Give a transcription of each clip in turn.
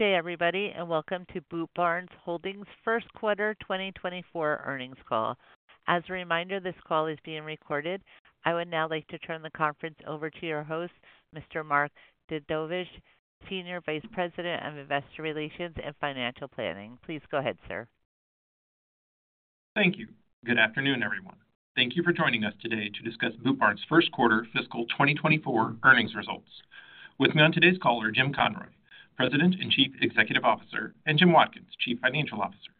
Good day everybody and welcome to Boot Barn Holdings First Quarter 2024 earnings call. As a reminder, this call is being recorded. I would now like to turn the conference over to your host, Mr. Mark Dedovesh, Senior Vice President of Investor Relations and Financial Planning. Please go ahead, sir. Thank you. Good afternoon, everyone. Thank you for joining us today to discuss Boot Barn's first quarter fiscal 2024 earnings results. With me on today's call are Jim Conroy, President and Chief Executive Officer, and Jim Watkins, Chief Financial Officer.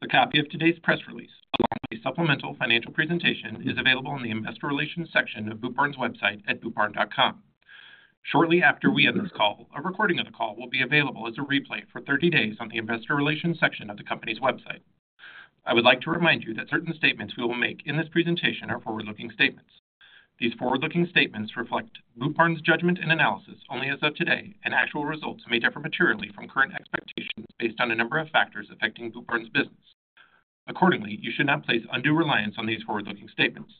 A copy of today's press release, along with a supplemental financial presentation, is available in the Investor Relations section of Boot Barn's website at bootbarn.com. Shortly after we end this call, a recording of the call will be available as a replay for 30 days on the Investor Relations section of the company's website. I would like to remind you that certain statements we will make in this presentation are forward-looking statements. These forward-looking statements reflect Boot Barn's judgment and analysis only as of today, and actual results may differ materially from current expectations based on a number of factors affecting Boot Barn's business. Accordingly, you should not place undue reliance on these forward-looking statements.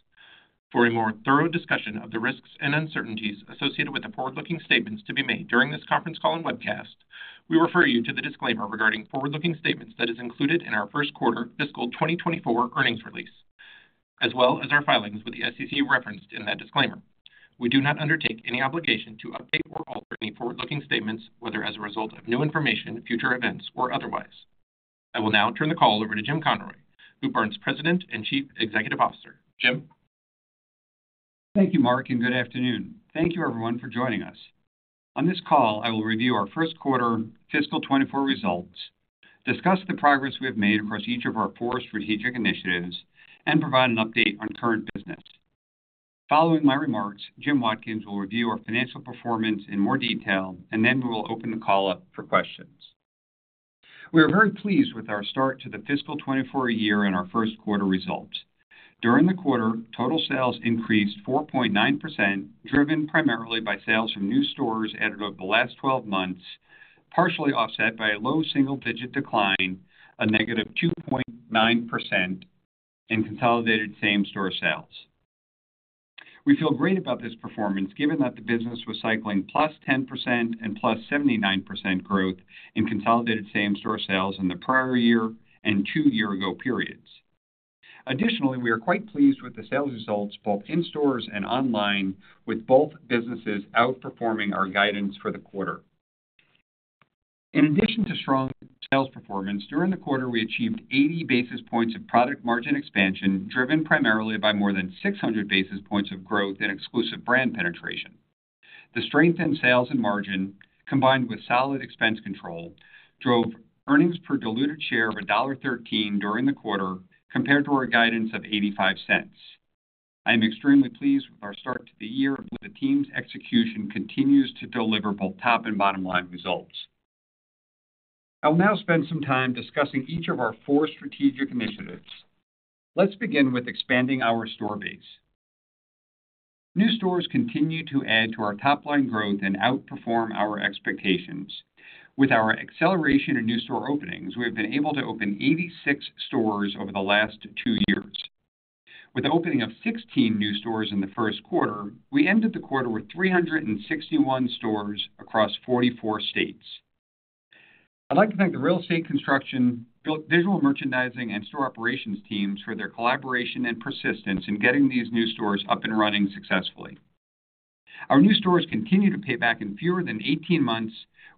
For a more thorough discussion of the risks and uncertainties associated with the forward-looking statements to be made during this conference call and webcast, we refer you to the disclaimer regarding forward-looking statements that is included in our first quarter fiscal 2024 earnings release, as well as our filings with the SEC referenced in that disclaimer. We do not undertake any obligation to update or alter any forward-looking statements, whether as a result of new information, future events, or otherwise. I will now turn the call over to Jim Conroy, Boot Barn's President and Chief Executive Officer. Jim? Thank you Mark. Good afternoon, thank you everyone for joining us. On this call, I will review our first quarter fiscal 2024 results, discuss the progress we have made across each of our four strategic initiatives, and provide an update on current business. Following my remarks, Jim Watkins will review our financial performance in more detail, and then we will open the call up for questions. We are very pleased with our start to the fiscal 2024 year and our first quarter results. During the quarter, total sales increased 4.9%, driven primarily by sales from new stores added over the last 12 months, partially offset by a low single-digit decline of negative 2.9% in consolidated same-store sales. We feel great about this performance, given that the business was cycling +10% and +79% growth in consolidated same-store sales in the prior year and two year-ago periods. We are quite pleased with the sales results, both in stores and online, with both businesses outperforming our guidance for the quarter. In addition to strong sales performance, during the quarter, we achieved 80 basis points of product margin expansion, driven primarily by more than 600 basis points of growth in exclusive brand penetration. The strength in sales and margin, combined with solid expense control, drove earnings per diluted share of $1.13 during the quarter, compared to our guidance of $0.85. I am extremely pleased with our start to the year, where the team's execution continues to deliver both top and bottom-line results. I will now spend some time discussing each of our four strategic initiatives. Let's begin with expanding our store base. New stores continue to add to our top-line growth and outperform our expectations. With our acceleration in new store openings, we have been able to open 86 stores over the last two years. With the opening of 16 new stores in the first quarter, we ended the quarter with 361 stores across 44 states. I'd like to thank the real estate, construction, visual merchandising and store operations teams for their collaboration and persistence in getting these new stores up and running successfully. Our new stores continue to pay back in fewer than 18 months,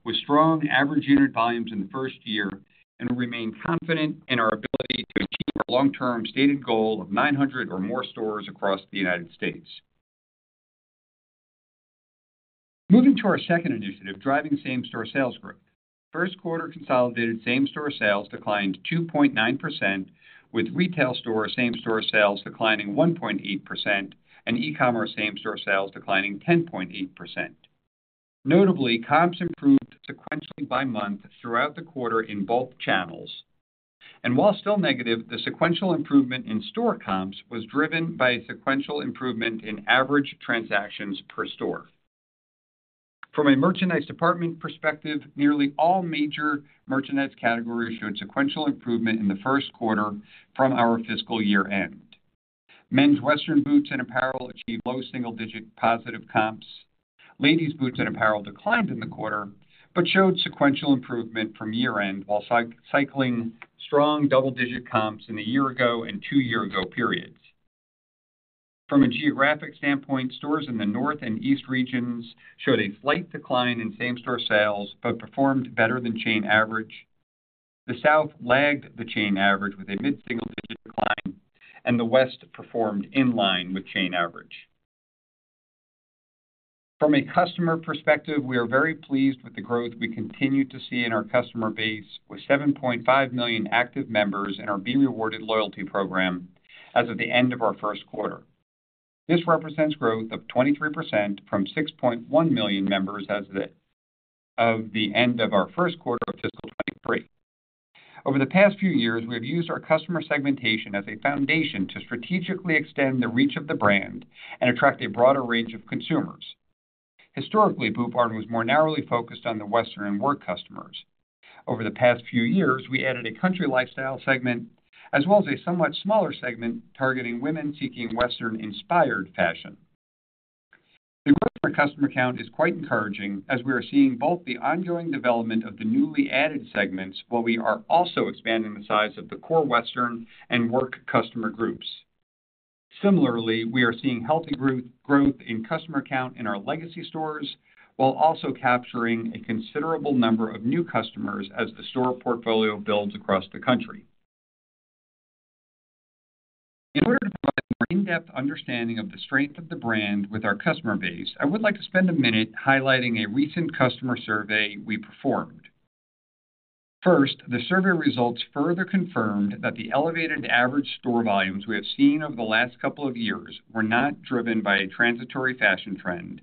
with strong average unit volumes in the first year, and we remain confident in our ability to achieve our long-term stated goal of 900 or more stores across the United States. Moving to our second initiative, driving same-store sales growth, first quarter consolidated same-store sales declined 2.9%, with retail store same-store sales declining 1.8% and e-commerce same-store sales declining 10.8%. Notably, comps improved sequentially by month throughout the quarter in both channels. While still negative, the sequential improvement in store comps was driven by a sequential improvement in average transactions per store. From a merchandise department perspective, nearly all major merchandise categories showed sequential improvement in the first quarter from our fiscal year-end. Men's Western boots and apparel achieved low single-digit positive comps. Ladies' boots and apparel declined in the quarter, but showed sequential improvement from year-end, while cycling strong double-digit comps in the year-ago and two year-ago periods. From a geographic standpoint, stores in the North and East regions showed a slight decline in same-store sales but performed better than chain average. The South lagged the chain average with a mid-single-digit decline, and the West performed in line with chain average. From a customer perspective, we are very pleased with the growth we continue to see in our customer base, with 7.5 million active members in our B Rewarded loyalty program as of the end of our first quarter. This represents growth of 23% from 6.1 million members as of the end of our first quarter of fiscal 2023. Over the past few years, we have used our customer segmentation as a foundation to strategically extend the reach of the brand and attract a broader range of consumers. Historically, Boot Barn was more narrowly focused on the Western and work customers. Over the past few years, we added a country lifestyle segment, as well as a somewhat smaller segment targeting women seeking Western-inspired fashion. The growth of our customer count is quite encouraging as we are seeing both the ongoing development of the newly added segments, while we are also expanding the size of the core Western and Work customer groups. Similarly, we are seeing healthy growth, growth in customer count in our legacy stores, while also capturing a considerable number of new customers as the store portfolio builds across the country. In order to provide a more in-depth understanding of the strength of the brand with our customer base, I would like to spend a minute highlighting a recent customer survey we performed. First, the survey results further confirmed that the elevated average store volumes we have seen over the last couple of years were not driven by a transitory fashion trend,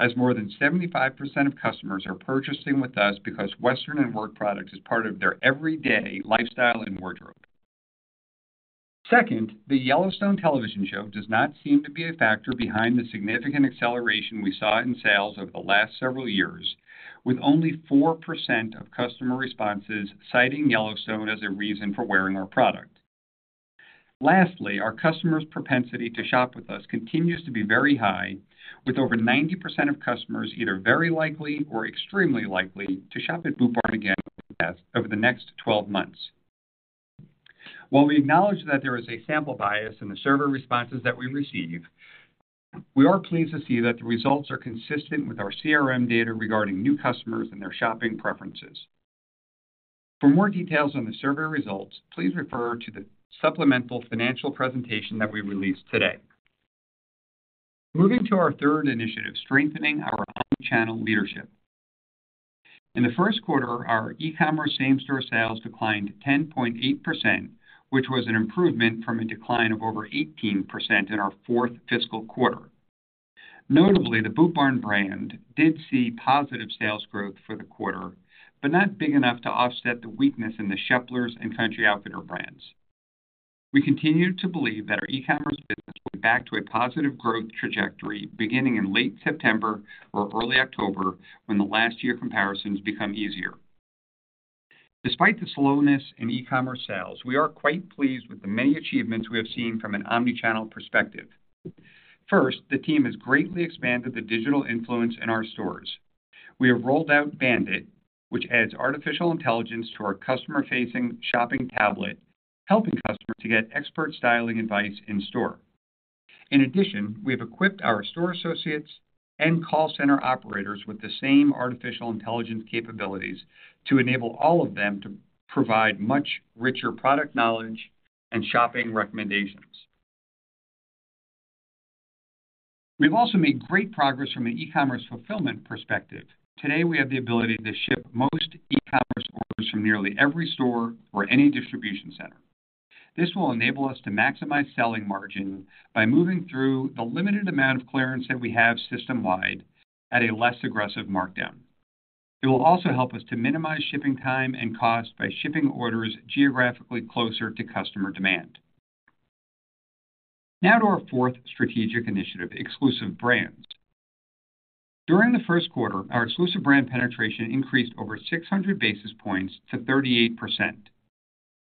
as more than 75% of customers are purchasing with us because Western and Work product is part of their everyday lifestyle and wardrobe. Second, the Yellowstone television show does not seem to be a factor behind the significant acceleration we saw in sales over the last several years, with only 4% of customer responses citing Yellowstone as a reason for wearing our product. Lastly, our customers' propensity to shop with us continues to be very high, with over 90% of customers either very likely or extremely likely to shop at Boot Barn again over the next 12 months. While we acknowledge that there is a sample bias in the survey responses that we receive, we are pleased to see that the results are consistent with our CRM data regarding new customers and their shopping preferences. For more details on the survey results, please refer to the supplemental financial presentation that we released today. Moving to our third initiative, strengthening our omnichannel leadership. In the first quarter, our e-commerce same-store sales declined 10.8%, which was an improvement from a decline of over 18% in our fourth fiscal quarter. Notably, the Boot Barn brand did see positive sales growth for the quarter, but not big enough to offset the weakness in the Sheplers and Country Outfitter brands. We continue to believe that our e-commerce business will be back to a positive growth trajectory beginning in late September or early October, when the last year comparisons become easier. Despite the slowness in e-commerce sales, we are quite pleased with the many achievements we have seen from an omnichannel perspective. First, the team has greatly expanded the digital influence in our stores. We have rolled out Bandit, which adds artificial intelligence to our customer-facing shopping tablet, helping customers to get expert styling advice in store. In addition, we have equipped our store associates and call center operators with the same artificial intelligence capabilities to enable all of them to provide much richer product knowledge and shopping recommendations. We've also made great progress from an e-commerce fulfillment perspective. Today, we have the ability to ship most e-commerce orders from nearly every store or any distribution center. This will enable us to maximize selling margin by moving through the limited amount of clearance that we have system-wide at a less aggressive markdown. It will also help us to minimize shipping time and cost by shipping orders geographically closer to customer demand. To our fourth strategic initiative, exclusive brands. During the first quarter, our exclusive brand penetration increased over 600 basis points to 38%.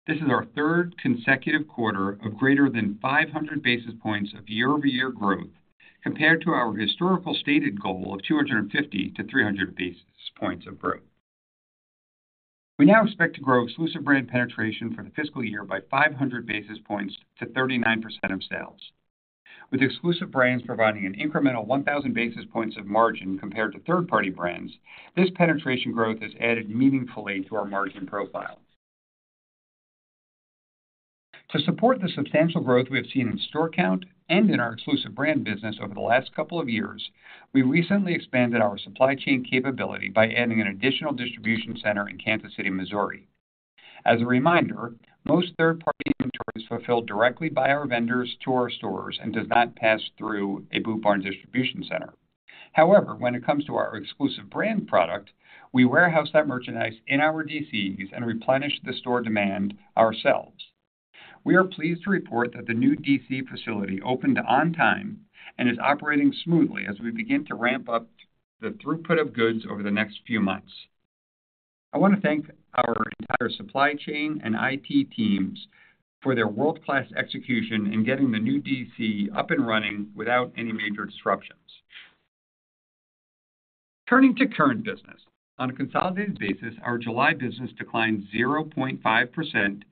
This is our third consecutive quarter of greater than 500 basis points of year-over-year growth, compared to our historical stated goal of 250-300 basis points of growth. We now expect to grow exclusive brand penetration for the fiscal year by 500 basis points to 39% of sales. With exclusive brands providing an incremental 1,000 basis points of margin compared to third-party brands, this penetration growth has added meaningfully to our margin profile. To support the substantial growth we have seen in store count and in our exclusive brand business over the last couple of years, we recently expanded our supply chain capability by adding an additional distribution center in Kansas City, Missouri. As a reminder, most third-party inventory is fulfilled directly by our vendors to our stores and does not pass through a Boot Barn distribution center. However, when it comes to our exclusive brand product, we warehouse that merchandise in our DCs and replenish the store demand ourselves. We are pleased to report that the new DC facility opened on time and is operating smoothly as we begin to ramp up the throughput of goods over the next few months. I want to thank our entire supply chain and IT teams for their world-class execution in getting the new DC up and running without any major disruptions. Turning to current business. On a consolidated basis, our July business declined 0.5%,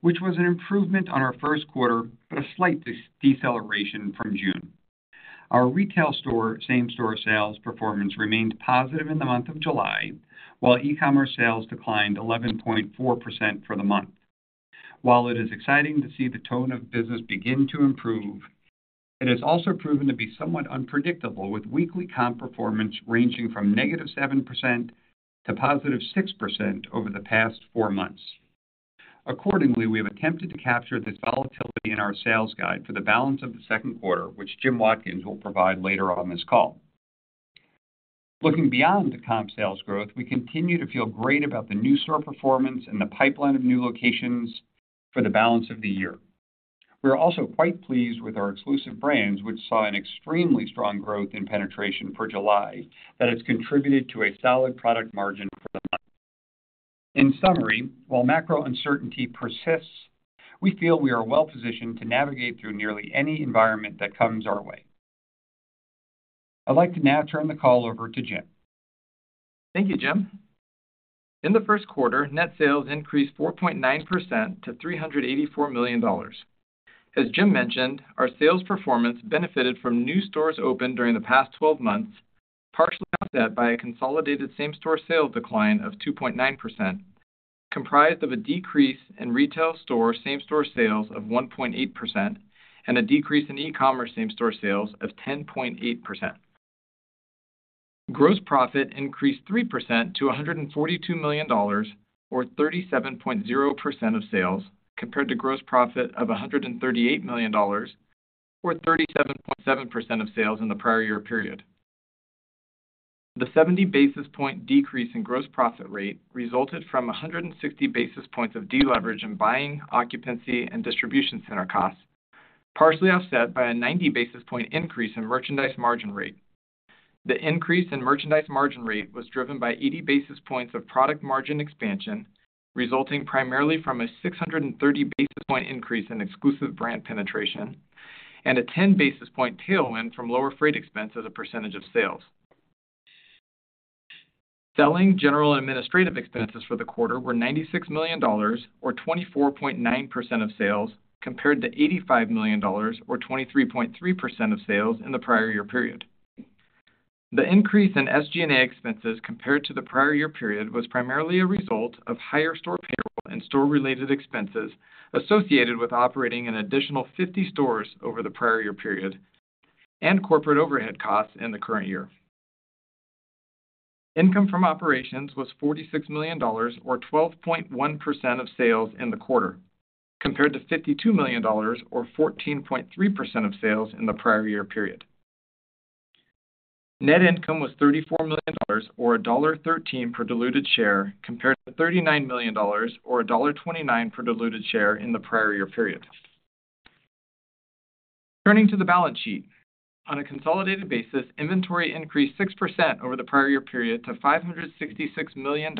which was an improvement on our first quarter, a slight deceleration from June. Our retail store same-store sales performance remained positive in the month of July, while e-commerce sales declined 11.4% for the month. While it is exciting to see the tone of business begin to improve, it has also proven to be somewhat unpredictable, with weekly comp performance ranging from -7% to +6% over the past four months. Accordingly, we have attempted to capture this volatility in our sales guide for the balance of the second quarter, which Jim Watkins will provide later on this call. Looking beyond the comp sales growth, we continue to feel great about the new store performance and the pipeline of new locations for the balance of the year. We are also quite pleased with our exclusive brands, which saw an extremely strong growth in penetration for July that has contributed to a solid product margin for the month. In summary, while macro uncertainty persists, we feel we are well positioned to navigate through nearly any environment that comes our way. I'd like to now turn the call over to Jim. Thank you Jim. In the first quarter, net sales increased 4.9% to $384 million. As Jim mentioned, our sales performance benefited from new stores opened during the past 12 months, partially offset by a consolidated same-store sales decline of 2.9%, comprised of a decrease in retail store same-store sales of 1.8% and a decrease in e-commerce same-store sales of 10.8%. Gross profit increased 3% to $142 million, or 37.0% of sales, compared to gross profit of $138 million, or 37.7% of sales in the prior year period. The 70 basis point decrease in gross profit rate resulted from 160 basis points of deleverage in buying, occupancy, and distribution center costs, partially offset by a 90 basis point increase in merchandise margin rate. The increase in merchandise margin rate was driven by 80 basis points of product margin expansion, resulting primarily from a 630 basis point increase in exclusive brand penetration and a 10 basis point tailwind from lower freight expense as a percentage of sales. SG&A for the quarter were $96 million or 24.9% of sales, compared to $85 million or 23.3% of sales in the prior year period. The increase in SG&A expenses compared to the prior year period was primarily a result of higher store payroll and store-related expenses associated with operating an additional 50 stores over the prior year period and corporate overhead costs in the current year. Income from operations was $46 million or 12.1% of sales in the quarter, compared to $52 million or 14.3% of sales in the prior year period. Net income was $34 million, or $1.13 per diluted share, compared to $39 million or $1.29 per diluted share in the prior year period. Turning to the balance sheet. On a consolidated basis, inventory increased 6% over the prior year period to $566 million.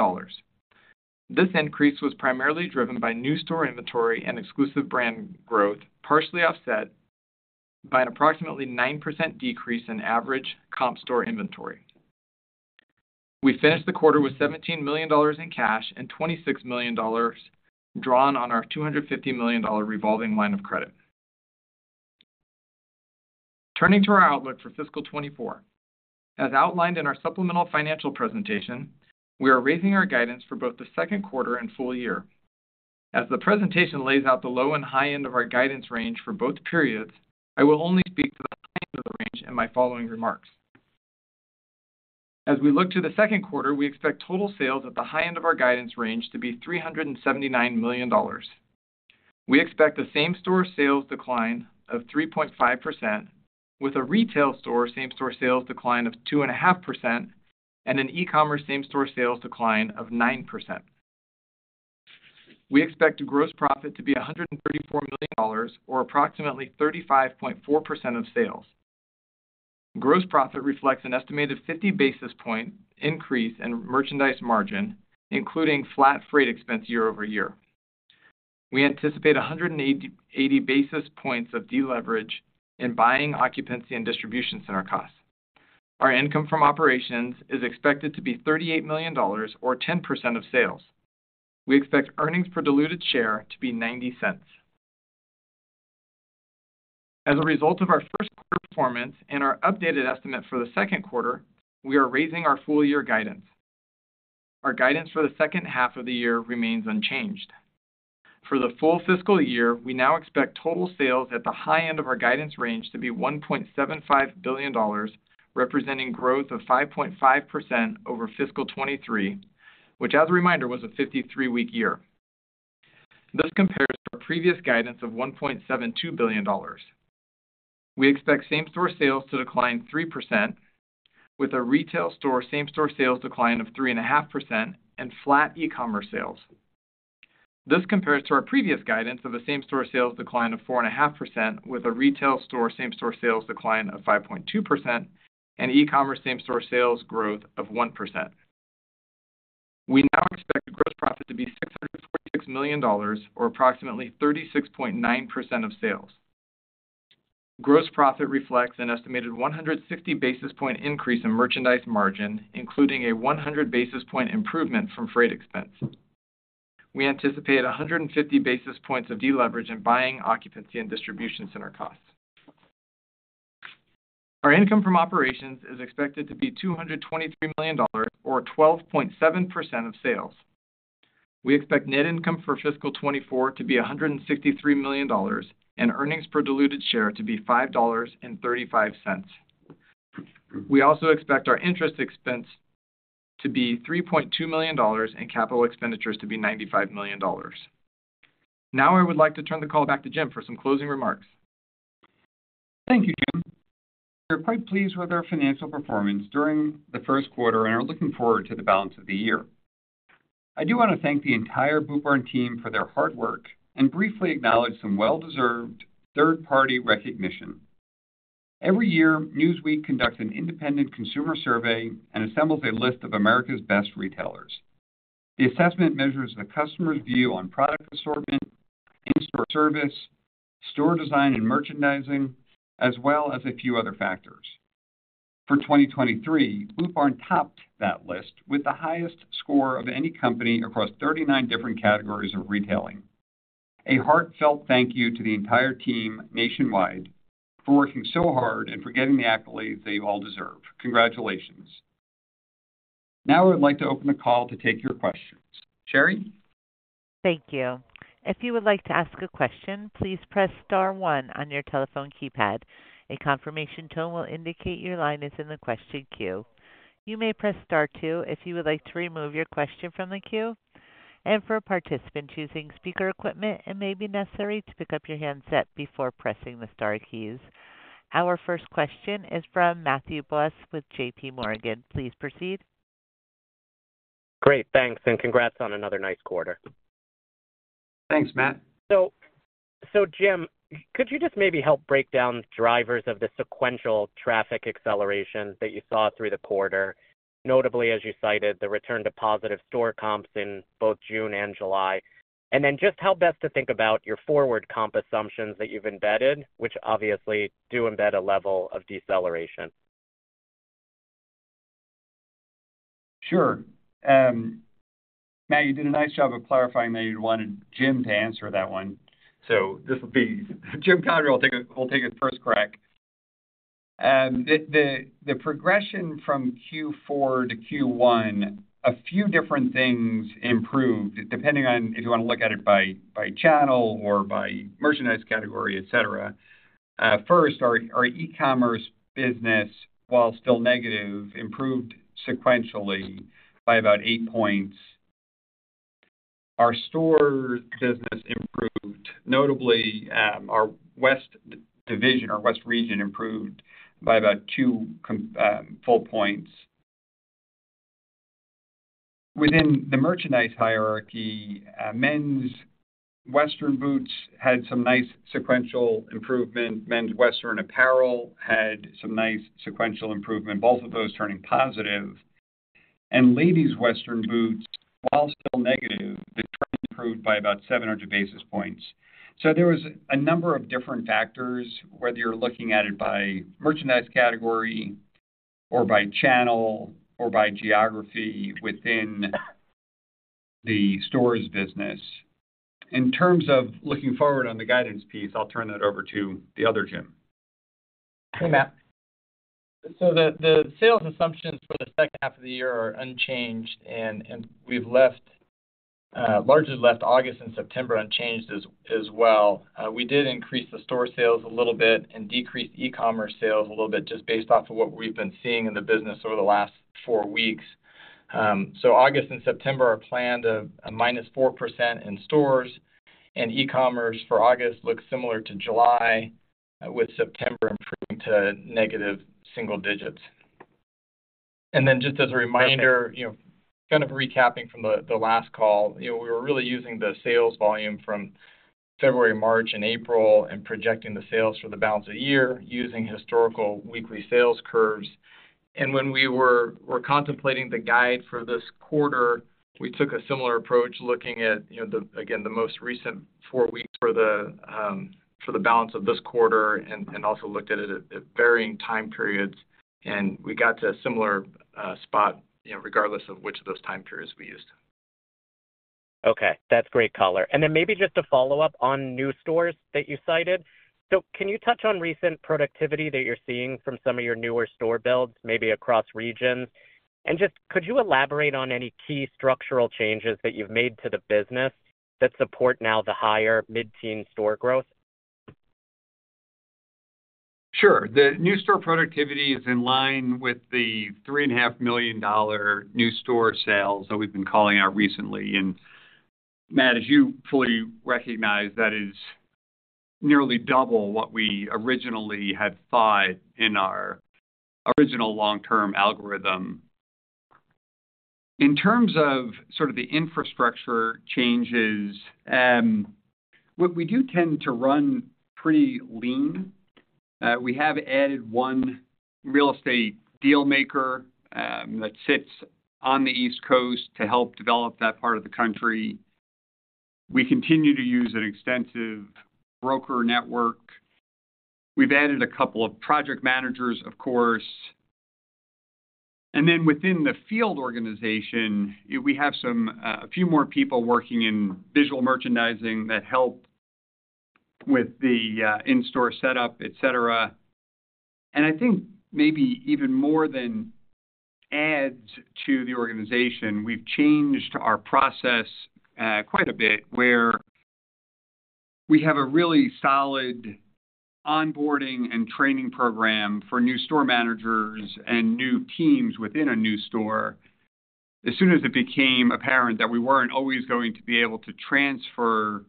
This increase was primarily driven by new store inventory and exclusive brand growth, partially offset by an approximately 9% decrease in average comp store inventory. We finished the quarter with $17 million in cash and $26 million drawn on our $250 million revolving line of credit. Turning to our outlook for fiscal 2024. As outlined in our supplemental financial presentation, we are raising our guidance for both the second quarter and full year. As the presentation lays out the low and high end of our guidance range for both periods, I will only speak to the high end of the range in my following remarks. As we look to the second quarter, we expect total sales at the high end of our guidance range to be $379 million. We expect the same-store sales decline of 3.5%, with a retail store same-store sales decline of 2.5% and an e-commerce same-store sales decline of 9%. We expect gross profit to be $134 million, or approximately 35.4% of sales. Gross profit reflects an estimated 50 basis point increase in merchandise margin, including flat freight expense year-over-year. We anticipate 180 basis points of deleverage in buying, occupancy, and distribution center costs. Our income from operations is expected to be $38 million or 10% of sales. We expect earnings per diluted share to be $0.90. As a result of our first quarter performance and our updated estimate for the second quarter, we are raising our full year guidance. Our guidance for the second half of the year remains unchanged. For the full fiscal year, we now expect total sales at the high end of our guidance range to be $1.75 billion, representing growth of 5.5% over fiscal 2023, which, as a reminder, was a 53-week year. This compares to our previous guidance of $1.72 billion. We expect same-store sales to decline 3%, with a retail store same-store sales decline of 3.5% and flat e-commerce sales. This compares to our previous guidance of a same-store sales decline of 4.5%, with a retail store same-store sales decline of 5.2% and e-commerce same-store sales growth of 1%. We now expect gross profit to be $646 million, or approximately 36.9% of sales. Gross profit reflects an estimated 160 basis points increase in merchandise margin, including a 100 basis points improvement from freight expense. We anticipate 150 basis points of deleverage in buying, occupancy, and distribution center costs. Our income from operations is expected to be $223 million or 12.7% of sales. We expect net income for fiscal 2024 to be $163 million and earnings per diluted share to be $5.35. We also expect our interest expense to be $3.2 million and capital expenditures to be $95 million. Now, I would like to turn the call back to Jim for some closing remarks. Thank you Jim. We are quite pleased with our financial performance during the first quarter and are looking forward to the balance of the year. I do want to thank the entire Boot Barn team for their hard work and briefly acknowledge some well-deserved third-party recognition. Every year, Newsweek conducts an independent consumer survey and assembles a list of America's best retailers. The assessment measures the customer's view on product assortment, in-store service, store design and merchandising, as well as a few other factors. For 2023, Boot Barn topped that list with the highest score of any company across 39 different categories of retailing. A heartfelt thank you to the entire team nationwide for working so hard and for getting the accolades they all deserve. Congratulations. I would like to open the call to take your questions. Sherry? Thank you. If you would like to ask a question, please press star one on your telephone keypad. A confirmation tone will indicate your line is in the question queue. You may press star two if you would like to remove your question from the queue, and for a participant using speaker equipment, it may be necessary to pick up your handset before pressing the star keys. Our first question is from Matthew Boss with JPMorgan. Please proceed. Great, thanks. Congrats on another nice quarter. Thanks, Matt. Jim, could you just maybe help break down the drivers of the sequential traffic acceleration that you saw through the quarter, notably, as you cited, the return to positive store comps in both June and July, then just how best to think about your forward comp assumptions that you've embedded, which obviously do embed a level of deceleration? Sure. Matt, you did a nice job of clarifying that you wanted Jim to answer that one. This will be Jim Conroy will take his first crack. The progression from Q4 to Q1, a few different things improved, depending on if you want to look at it by channel or by merchandise category, etc.. First, our e-commerce business, while still negative, improved sequentially by about 8 points. Our store business improved, notably, our west division or west region improved by about 2 full points. Within the merchandise hierarchy, men's Western boots had some nice sequential improvement. Men's Western apparel had some nice sequential improvement, both of those turning positive. Ladies' Western boots, while still negative, they turned improved by about 700 basis points. There was a number of different factors, whether you're looking at it by merchandise category or by channel or by geography within the stores business. In terms of looking forward on the guidance piece, I'll turn it over to the other Jim. Hey Matt. The sales assumptions for the second half of the year are unchanged, and we've left, largely left August and September unchanged as well. We did increase the store sales a little bit and decreased e-commerce sales a little bit just based off of what we've been seeing in the business over the last four weeks. August and September are planned, a minus 4% in stores, and e-commerce for August looks similar to July, with September improving to negative single digits. Just as a reminder, you know, kind of recapping from the last call, you know, we were really using the sales volume from February, March, and April and projecting the sales for the balance of the year using historical weekly sales curves. When we were, were contemplating the guide for this quarter, we took a similar approach, looking at, you know, the for the balance of this quarter and also looked at it at, at varying time periods, and we got to a similar spot, you know, regardless of which of those time periods we used. Okay, that's great color. Then maybe just a follow-up on new stores that you cited. Can you touch on recent productivity that you're seeing from some of your newer store builds, maybe across regions? Just could you elaborate on any key structural changes that you've made to the business that support now the higher mid-teen store growth? Sure, the new store productivity is in line with the $3.5 million new store sales that we've been calling out recently. Matt, as you fully recognize, that is nearly double what we originally had thought in our original long-term algorithm. In terms of sort of the infrastructure changes, what we do tend to run pretty lean. We have added one real estate deal maker, that sits on the East Coast to help develop that part of the country. We continue to use an extensive broker network. We've added two project managers, of course. Then within the field organization, we have some, a few more people working in visual merchandising that help with the in-store setup, etc.. I think maybe even more than adds to the organization, we've changed our process quite a bit, where we have a really solid onboarding and training program for new store managers and new teams within a new store. As soon as it became apparent that we weren't always going to be able to transfer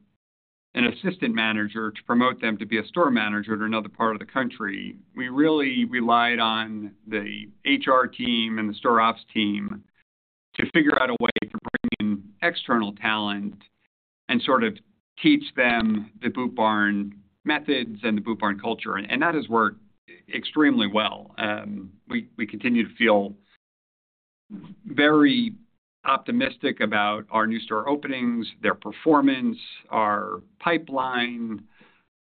an assistant manager to promote them to be a store manager to another part of the country, we really relied on the HR team and the store ops team, to figure out a way for bringing external talent and sort of teach them the Boot Barn methods and the Boot Barn culture, and that has worked extremely well. We continue to feel very optimistic about our new store openings, their performance, our pipeline,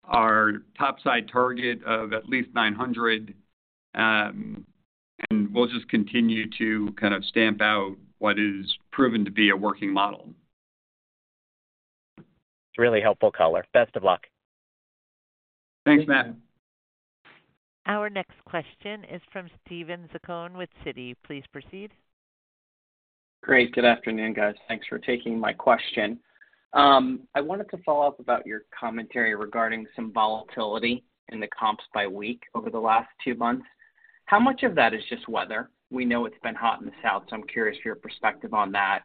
our top side target of at least 900. We'll just continue to kind of stamp out what is proven to be a working model. It's really helpful color. Best of luck. Thanks, Matt. Our next question is from Steven Zaccone with Citi. Please proceed. Great. Good afternoon, guys. Thanks for taking my question. I wanted to follow up about your commentary regarding some volatility in the comps by week over the last 2 months. How much of that is just weather? We know it's been hot in the South, so I'm curious for your perspective on that.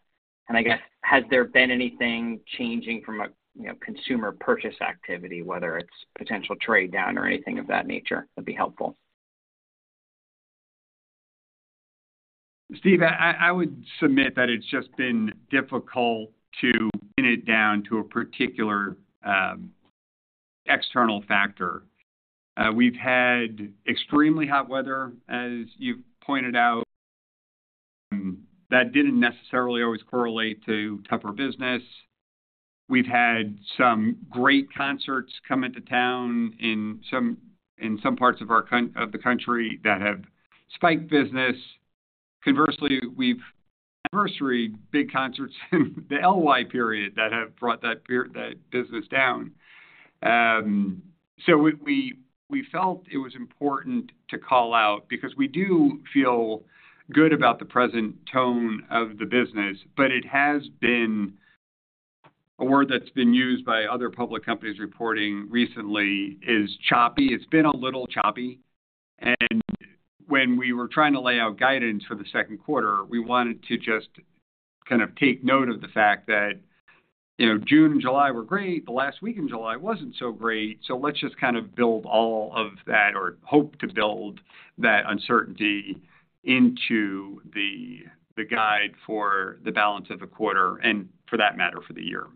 I guess, has there been anything changing from a, you know, consumer purchase activity, whether it's potential trade down or anything of that nature, would be helpful? Steve, I would submit that it's just been difficult to pin it down to a particular external factor. We've had extremely hot weather, as you've pointed out, that didn't necessarily always correlate to tougher business. We've had some great concerts come into town in some, in some parts of our country that have spiked business. Conversely, we've anniversary big concerts in the LY period that have brought that business down. We felt it was important to call out because we do feel good about the present tone of the business, but it has been a word that's been used by other public companies reporting recently is choppy. It's been a little choppy, and when we were trying to lay out guidance for the second quarter, we wanted to just kind of take note of the fact that, you know, June and July were great, the last week in July wasn't so great. Let's just kind of build all of that or hope to build that uncertainty into the, the guide for the balance of the quarter and for that matter, for the year.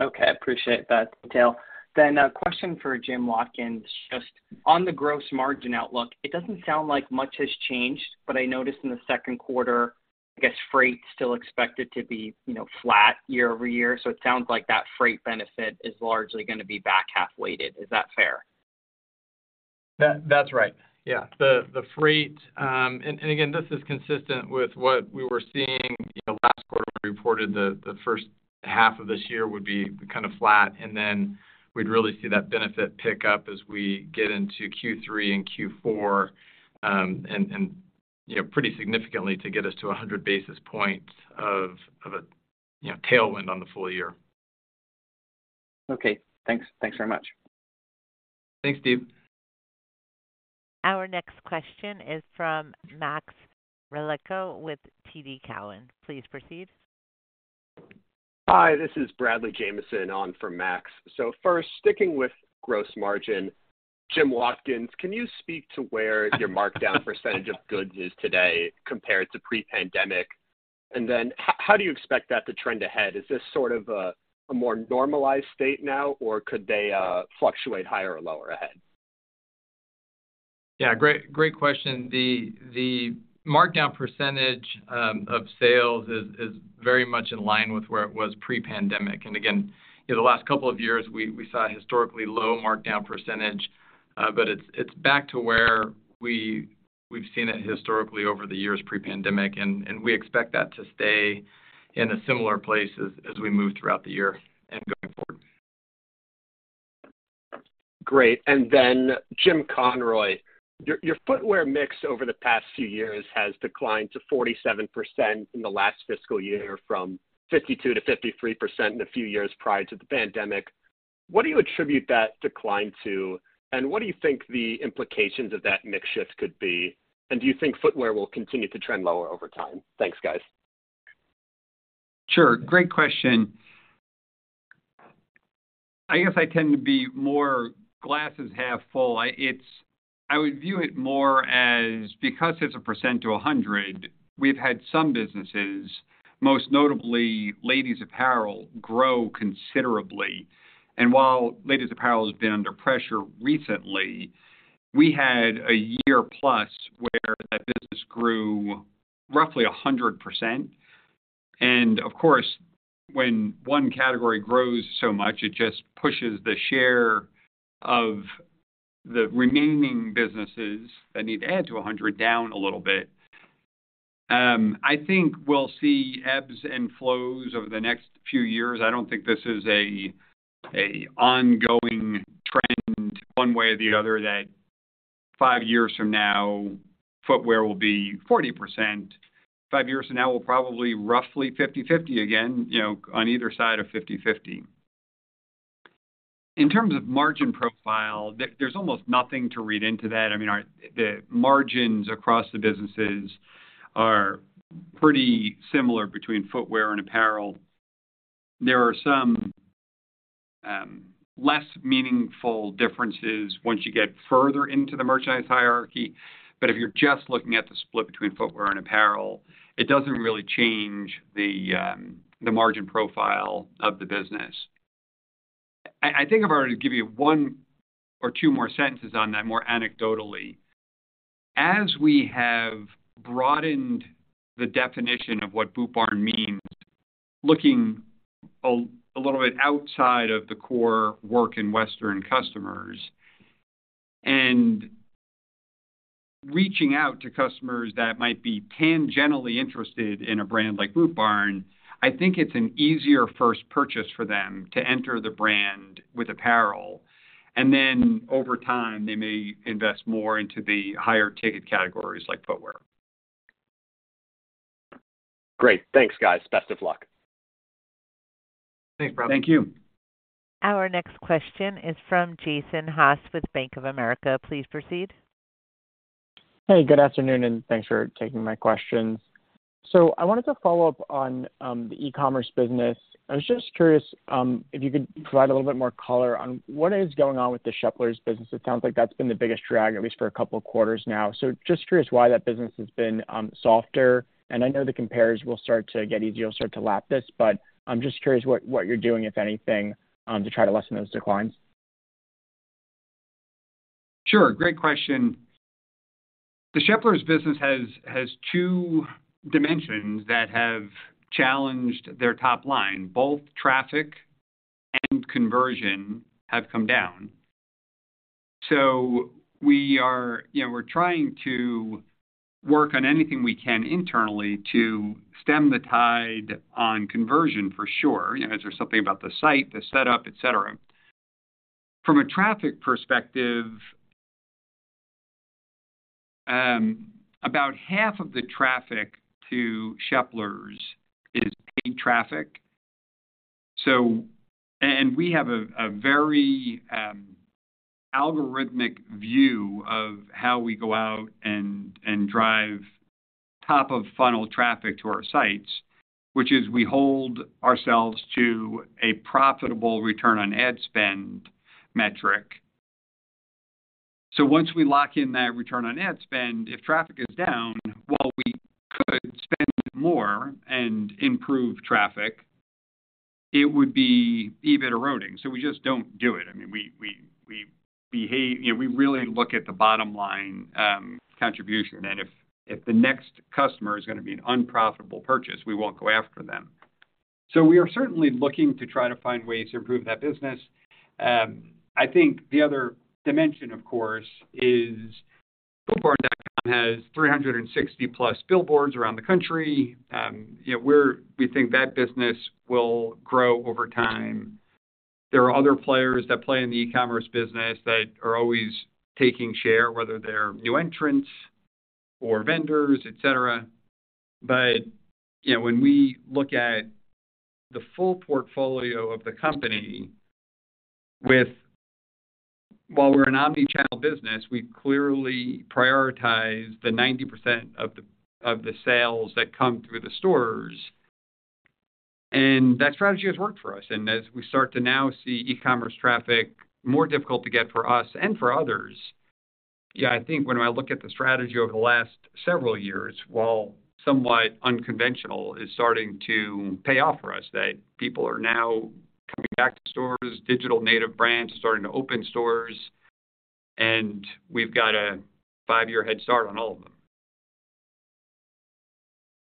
Okay, appreciate that detail. A question for Jim Watkins. Just on the gross margin outlook, it doesn't sound like much has changed, but I noticed in the 2nd quarter, I guess freight still expected to be, you know, flat year-over-year. It sounds like that freight benefit is largely gonna be back half-weighted. Is that fair? That's right. Yeah, the freight again, this is consistent with what we were seeing. You know, last quarter, we reported the first half of this year would be kind of flat, and then we'd really see that benefit pick up as we get into Q3 and Q4. You know, pretty significantly to get us to 100 basis points of a, you know, tailwind on the full year. Okay, thanks. Thanks very much. Thanks, Steve. Our next question is from Max Rakhlenko with TD Cowen. Please proceed. Hi, this is Bradley Jamison on for Max. First, sticking with gross margin, Jim Watkins, can you speak to where your markdown percentage of goods is today compared to pre-pandemic? How do you expect that to trend ahead? Is this sort of a more normalized state now, or could they fluctuate higher or lower ahead? Yeah, great question. The markdown percentage of sales is very much in line with where it was pre-pandemic. Again, you know, the last couple of years, we saw historically low markdown percentage, but it's back to where we've seen it historically over the years pre-pandemic, and we expect that to stay in a similar place as we move throughout the year and going forward. Great. Jim Conroy, your footwear mix over the past few years has declined to 47% in the last fiscal year, from 52%-53% in the few years prior to the pandemic. What do you attribute that decline to? And what do you think the implications of that mix shift could be? Do you think footwear will continue to trend lower over time? Thanks, guys. Sure, great question. I guess I tend to be more glass is half full. I would view it more as, because it's a percent to 100, we've had some businesses, most notably ladies apparel, grow considerably. While ladies apparel has been under pressure recently, we had a year plus where that business grew roughly 100%. Of course, when one category grows so much, it just pushes the share of the remaining businesses that need to add to 100 down a little bit. I think we'll see ebbs and flows over the next few years. I don't think this is a ongoing trend one way or the other, that five years from now, footwear will be 40%. Five years from now, we're probably roughly 50/50 again, you know, on either side of 50/50. In terms of margin profile, there's almost nothing to read into that. I mean, the margins across the businesses are pretty similar between footwear and apparel. There are less meaningful differences once you get further into the merchandise hierarchy. If you're just looking at the split between footwear and apparel, it doesn't really change the margin profile of the business. I think I've already give you one or two more sentences on that more anecdotally. As we have broadened the definition of what Boot Barn means, looking a little bit outside of the core work and western customers and reaching out to customers that might be tangentially interested in a brand like Boot Barn, I think it's an easier first purchase for them to enter the brand with apparel, and then over time, they may invest more into the higher ticket categories like footwear. Great, thanks, guys. Best of luck. Thanks Bradley. Thank you. Our next question is from Jason Haas with Bank of America. Please proceed. Hey good afternoon and thanks for taking my questions. I wanted to follow up on the e-commerce business. I was just curious if you could provide a little bit more color on what is going on with the Sheplers business. It sounds like that's been the biggest drag, at least for a couple of quarters now? Just curious why that business has been softer, and I know the compares will start to get easier, you'll start to lap this, but I'm just curious what you're doing, if anything, to try to lessen those declines? Sure, great question. The Sheplers business has, has two dimensions that have challenged their top line. Both traffic and conversion have come down. We are, you know, we're trying to work on anything we can internally to stem the tide on conversion for sure. You know, is there something about the site, the setup, etc.? From a traffic perspective, about half of the traffic to Sheplers is paid traffic. We have a very, algorithmic view of how we go out and, and drive top-of-funnel traffic to our sites, which is we hold ourselves to a profitable return on ad spend metric. Once we lock in that return on ad spend, if traffic is down, while we could spend more and improve traffic, it would be EBIT eroding, so we just don't do it. I mean, we behave, you know, we really look at the bottom line, contribution, and if the next customer is gonna be an unprofitable purchase, we won't go after them. We are certainly looking to try to find ways to improve that business. I think the other dimension, of course, is bootbarn.com has 360+ billboards around the country. You know, we think that business will grow over time. There are other players that play in the e-commerce business that are always taking share, whether they're new entrants or vendors, etc.. You know, when we look at the full portfolio of the company with, while we're an omnichannel business, we clearly prioritize the 90% of the sales that come through the stores, and that strategy has worked for us. As we start to now see e-commerce traffic more difficult to get for us and for others, yeah, I think when I look at the strategy over the last several years, while somewhat unconventional, is starting to pay off for us. That people are now coming back to stores, digital native brands are starting to open stores, and we've got a five-year head start on all of them.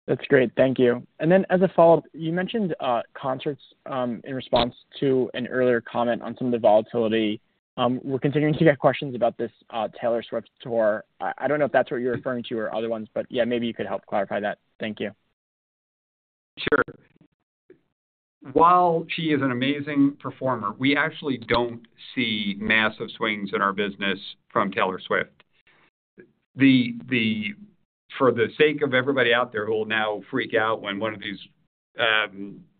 That's great, thank you. Then as a follow-up, you mentioned concerts in response to an earlier comment on some of the volatility. We're continuing to get questions about this Taylor Swift tour. I don't know if that's what you're referring to or other ones, but yeah, maybe you could help clarify that. Thank you. Sure. While she is an amazing performer, we actually don't see massive swings in our business from Taylor Swift. For the sake of everybody out there who will now freak out when one of these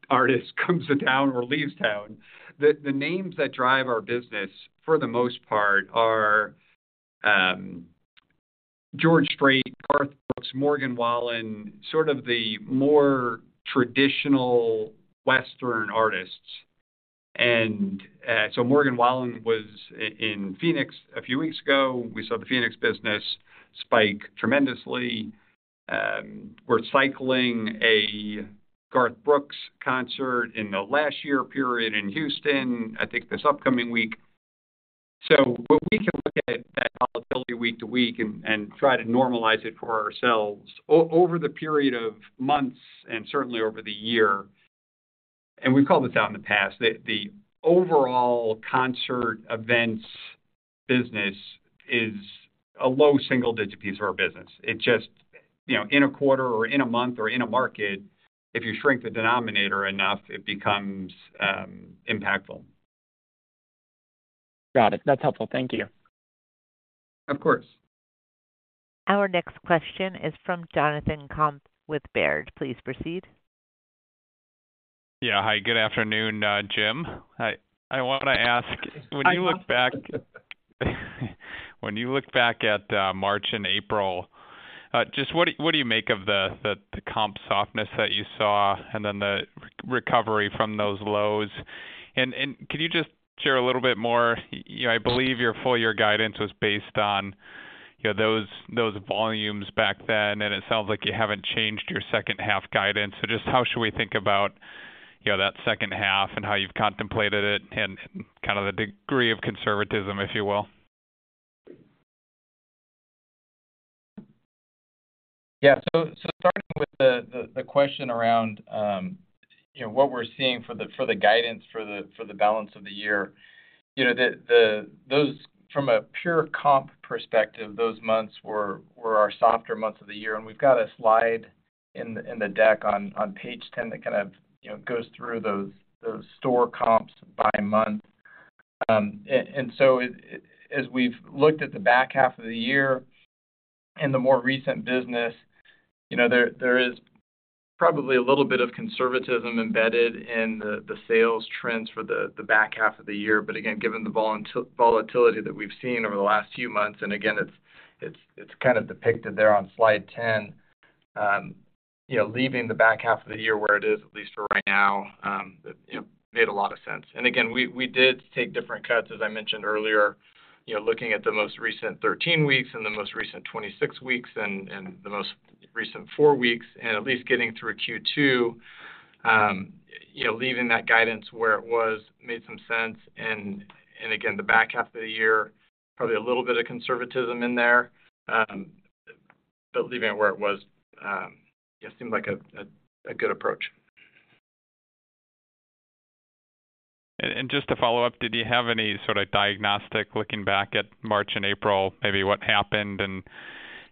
artists comes to town or leaves town, the names that drive our business, for the most part, are George Strait, Garth Brooks, Morgan Wallen, sort of the more traditional Western artists. Morgan Wallen was in Phoenix a few weeks ago. We saw the Phoenix business spike tremendously. We're cycling a Garth Brooks concert in the last year period in Houston, I think this upcoming week. While we can look at that volatility week to week and try to normalize it for ourselves, over the period of months and certainly over the year, and we've called this out in the past, the overall concert events business is a low single-digit piece of our business. It just, you know, in a quarter or in a month or in a market, if you shrink the denominator enough, it becomes impactful. Got it, that's helpful. Thank you. Of course. Our next question is from Jonathan Komp with Baird. Please proceed. Yeah. Hi good afternoon, Jim. I want to ask when you look back at March and April, just what do you make of the, the comp softness that you saw and then the re, recovery from those lows? Could you just share a little bit more? You know, I believe your full year guidance was based on, you know, those, those volumes back then, and it sounds like you haven't changed your second half guidance. Just how should we think about, you know, that second half and how you've contemplated it and kind of the degree of conservatism, if you will? Yeah, starting with the, question around, you know, what we're seeing, for the guidance for the, for the balance of the year. You know, the those from a pure comp perspective, those months were, were our softer months of the year, we've got a slide in the deck on page 10 that kind of, you know, goes through those, those store comps by month. It, as we've looked at the back half of the year and the more recent business, you know, there is probably a little bit of conservatism embedded in the, the sales trends for the back half of the year. Again, given the volatility that we've seen over the last few months, again, it's kind of depicted there on slide 10, you know, leaving the back half of the year where it is, at least for right now, you know, made a lot of sense. Again, we did take different cuts, as I mentioned earlier, you know, looking at the most recent 13 weeks and the most recent 26 weeks and, and the most recent four weeks, and at least getting through Q2, you know, leaving that guidance where it was made some sense. Again, the back half of the year, probably a little bit of conservatism in there, but leaving it where it was, yeah, seemed like a, a good approach. Just to follow up, did you have any sort of diagnostic looking back at March and April, maybe what happened and,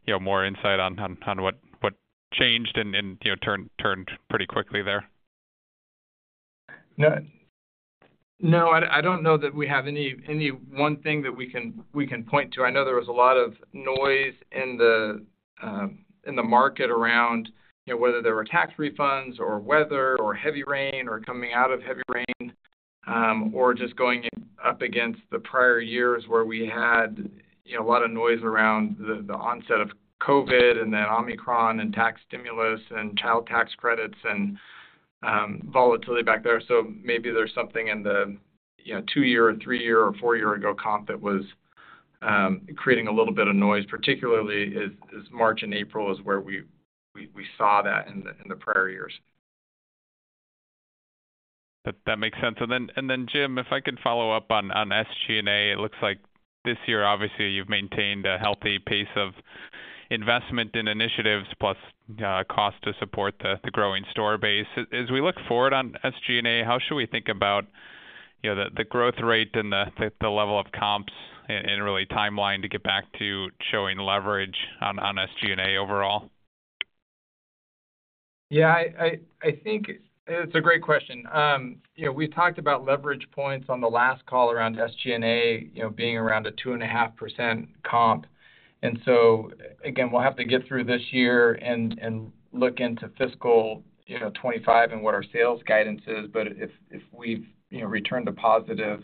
you know, more insight on what changed and, you know, turned pretty quickly there? No, I don't know that we have any, any one thing that we can, point to. I know there was a lot of noise in the market around, you know, whether there were tax refunds or weather or heavy rain or coming out of heavy rain, or just going up against the prior years where we had, you know, a lot of noise around the, the onset of COVID and then Omicron and tax stimulus and child tax credits and volatility back there. Maybe there's something in the, you know, two-year- or three-year or four-year ago comp that was creating a little bit of noise, particularly as, as March and April is where we saw that in the prior years. That makes sense and then, Jim, if I could follow up on, on SG&A. It looks like this year, obviously, you've maintained a healthy pace of investment in initiatives plus cost to support the, the growing store base. As we look forward on SG&A, how should we think about, you know, the growth rate and the, the level of comps and, and really timeline to get back to showing leverage on SG&A overall? Yeah, I think it's a great question. You know, we talked about leverage points on the last call around SG&A, you know, being around a 2.5% comp. Again, we'll have to get through this year and look into fiscal, you know, 2025 and what our sales guidance is. If we've, you know, returned to positive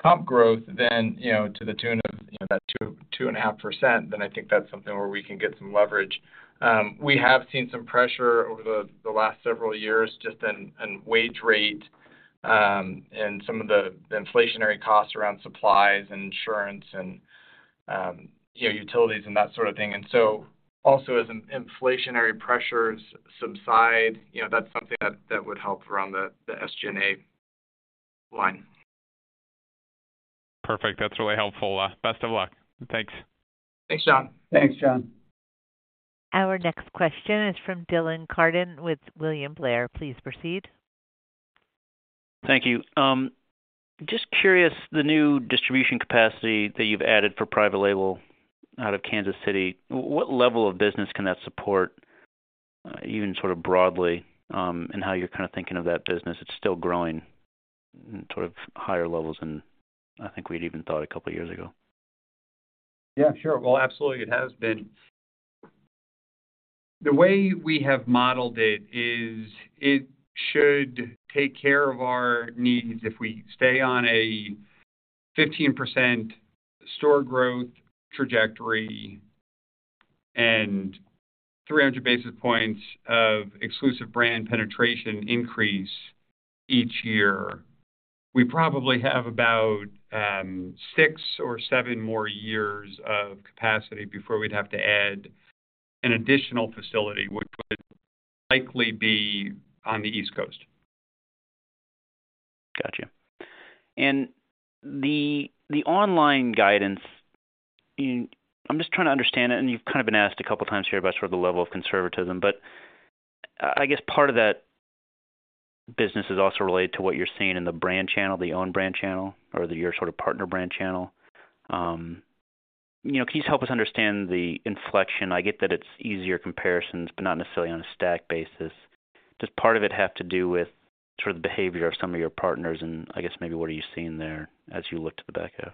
comp growth, then, you know, to the tune of, you know, that 2%-2.5%, then I think that's something where we can get some leverage. We have seen some pressure over the last several years just in wage rate and some of the inflationary costs around supplies and insurance and, you know, utilities and that sort of thing. So also as inflationary pressures subside, you know, that's something that, that would help around the SG&A line. Perfect. That's really helpful. Best of luck, thanks. Thanks John. Thanks John. Our next question is from Dylan Carden with William Blair. Please proceed. Thank you. Just curious, the new distribution capacity that you've added for private label out of Kansas City, what level of business can that support, even sort of broadly, and how you're kind of thinking of that business? It's still growing sort of higher levels than I think we'd even thought a couple of years ago. Yeah, sure. Well, absolutely, it has been. The way we have modeled it is it should take care of our needs if we stay on a 15% store growth trajectory and 300 basis points of exclusive brand penetration increase each year. We probably have about, six or seven more years of capacity before we'd have to add an additional facility, which would likely be on the East Coast. Gotcha. The online guidance, I'm just trying to understand it, and you've kind of been asked a couple of times here about sort of the level of conservatism, but I guess part of that business is also related to what you're seeing in the brand channel, the own brand channel, or your sort of partner brand channel? You know, can you help us understand the inflection. I get that it's easier comparisons, but not necessarily on a stack basis. Does part of it have to do with sort of the behavior of some of your partners? I guess maybe what are you seeing there as you look to the back half?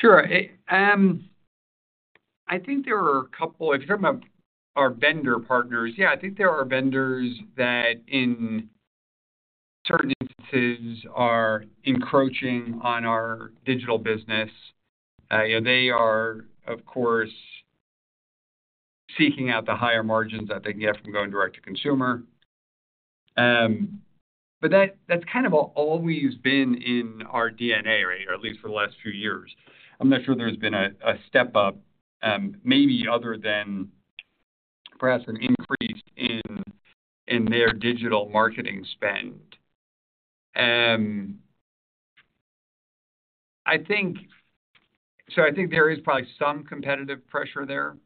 Sure. It—I think there are a couple. If you're talking about our vendor partners, yeah, I think there are vendors that in certain instances are encroaching on our digital business. You know, they are, of course, seeking out the higher margins that they can get from going direct to consumer. That's kind of always been in our DNA, right, or at least for the last few years. I'm not sure there's been a, a step up, maybe other than perhaps an increase in their digital marketing spend. I think there is probably some competitive pressure there.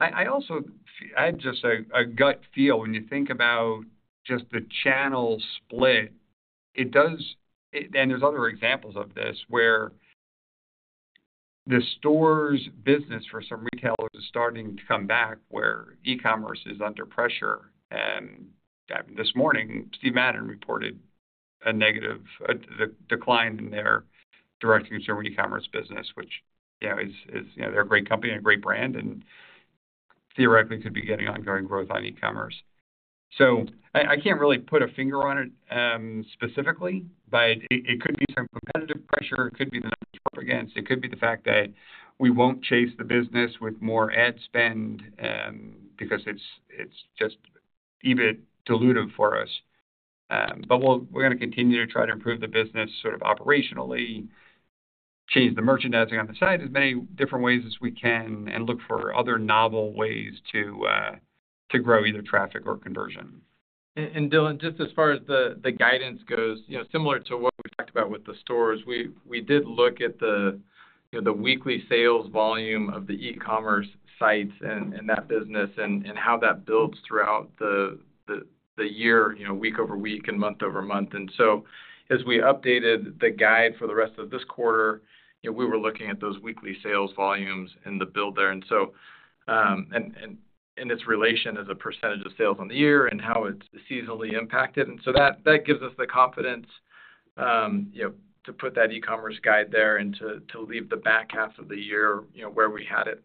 I also feel—I have just a gut feel when you think about just the channel split, it does and there's other examples of this, where the store's business for some retailers is starting to come back where e-commerce is under pressure. I mean, this morning, Steve Madden reported a negative, a, the decline in their direct-to-consumer e-commerce business, which, you know is, you know. They're a great company and a great brand, and theoretically could be getting ongoing growth on e-commerce. I, I can't really put a finger on it, specifically, but it could be some competitive pressure, it could be the number up against, it could be the fact that we won't chase the business with more ad spend, because it's, it's just EBIT dilutive for us. We'll—we're gonna continue to try to improve the business sort of operationally, change the merchandising on the site as many different ways as we can, and look for other novel ways to grow either traffic or conversion. Dylan, just as far as the, the guidance goes, you know, similar to what we talked about with the stores, we did look at the, you know, the weekly sales volume of the e-commerce sites and that business and how that builds throughout the year, you know, week-over-week and month-over-month. As we updated the guide for the rest of this quarter, you know, we were looking at those weekly sales volumes and the build there, and so its relation as a percent of sales on the year and how it's seasonally impacted. That gives us the confidence, you know, to put that e-commerce guide there and to, to leave the back half of the year, you know, where we had it.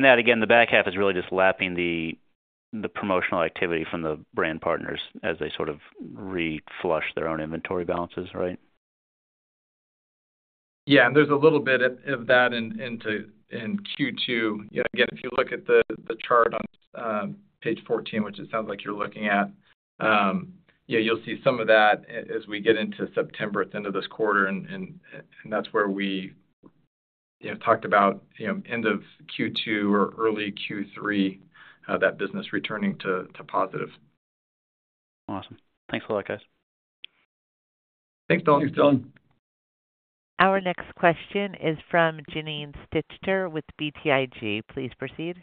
That again, the back half is really just lapping the, the promotional activity from the brand partners as they sort of reflush their own inventory balances, right? There's a little bit of, of that in, into, in Q2. Again, if you look at the, the chart on page 14, which it sounds like you're looking at, yeah, you'll see some of that as we get into September at the end of this quarter, and that's where we, you know, talked about, you know, end of Q2 or early Q3, that business returning to positive. Awesome. Thanks a lot, guys. Thanks, Dylan. Thanks, Dylan. Our next question is from Janine Stichter with BTIG. Please proceed.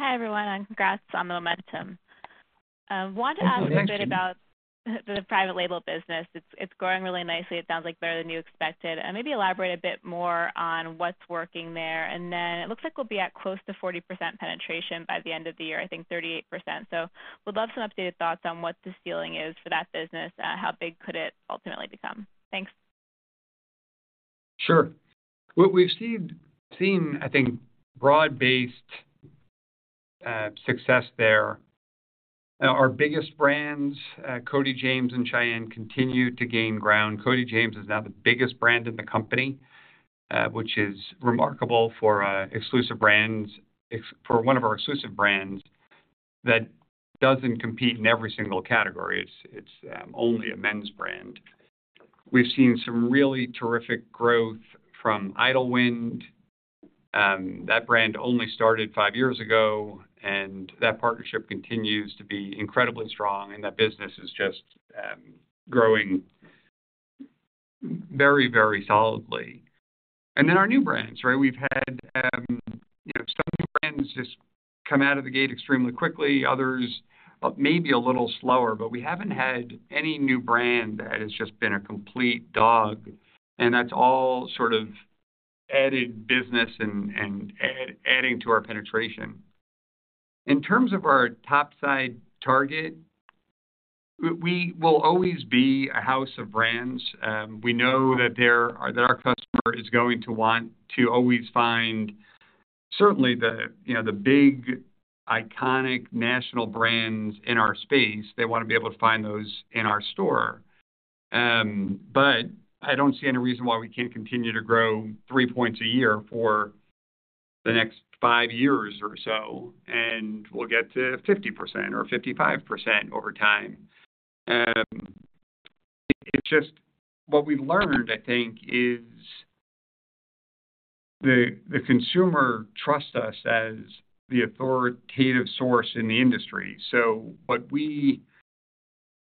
Hi everyone and congrats on the momentum— Thank you. wanted to ask a bit about the private label business. It's, it's growing really nicely, it sounds like better than you expected. Maybe elaborate a bit more on what's working there. it looks like we'll be at close to 40% penetration by the end of the year, I think 38%. would love some updated thoughts on what the ceiling is for that business. how big could it ultimately become? Thanks. Sure, what we've seen, I think, broad-based, success there. Our biggest brands, Cody James and Shyanne, continue to gain ground. Cody James is now the biggest brand in the company, which is remarkable for exclusive brands, for one of our exclusive brands that doesn't compete in every single category. It's, it's only a men's brand. We've seen some really terrific growth from Idyllwind. That brand only started five years ago, and that partnership continues to be incredibly strong, and that business is just growing very, very solidly. Then our new brands, right? We've had, you know, some new brands just come out of the gate extremely quickly, others, maybe a little slower, but we haven't had any new brand that has just been a complete dog, and that's all sort of added business and, adding to our penetration. In terms of our top side target, we will always be a house of brands. We know that there that our customer is going to want to always find certainly the, you know, the big, iconic national brands in our space, they want to be able to find those in our store. I don't see any reason why we can't continue to grow three points a year for the next five years or so, and we'll get to 50% or 55% over time. It's just what we've learned, I think, is the consumer trusts us as the authoritative source in the industry. What we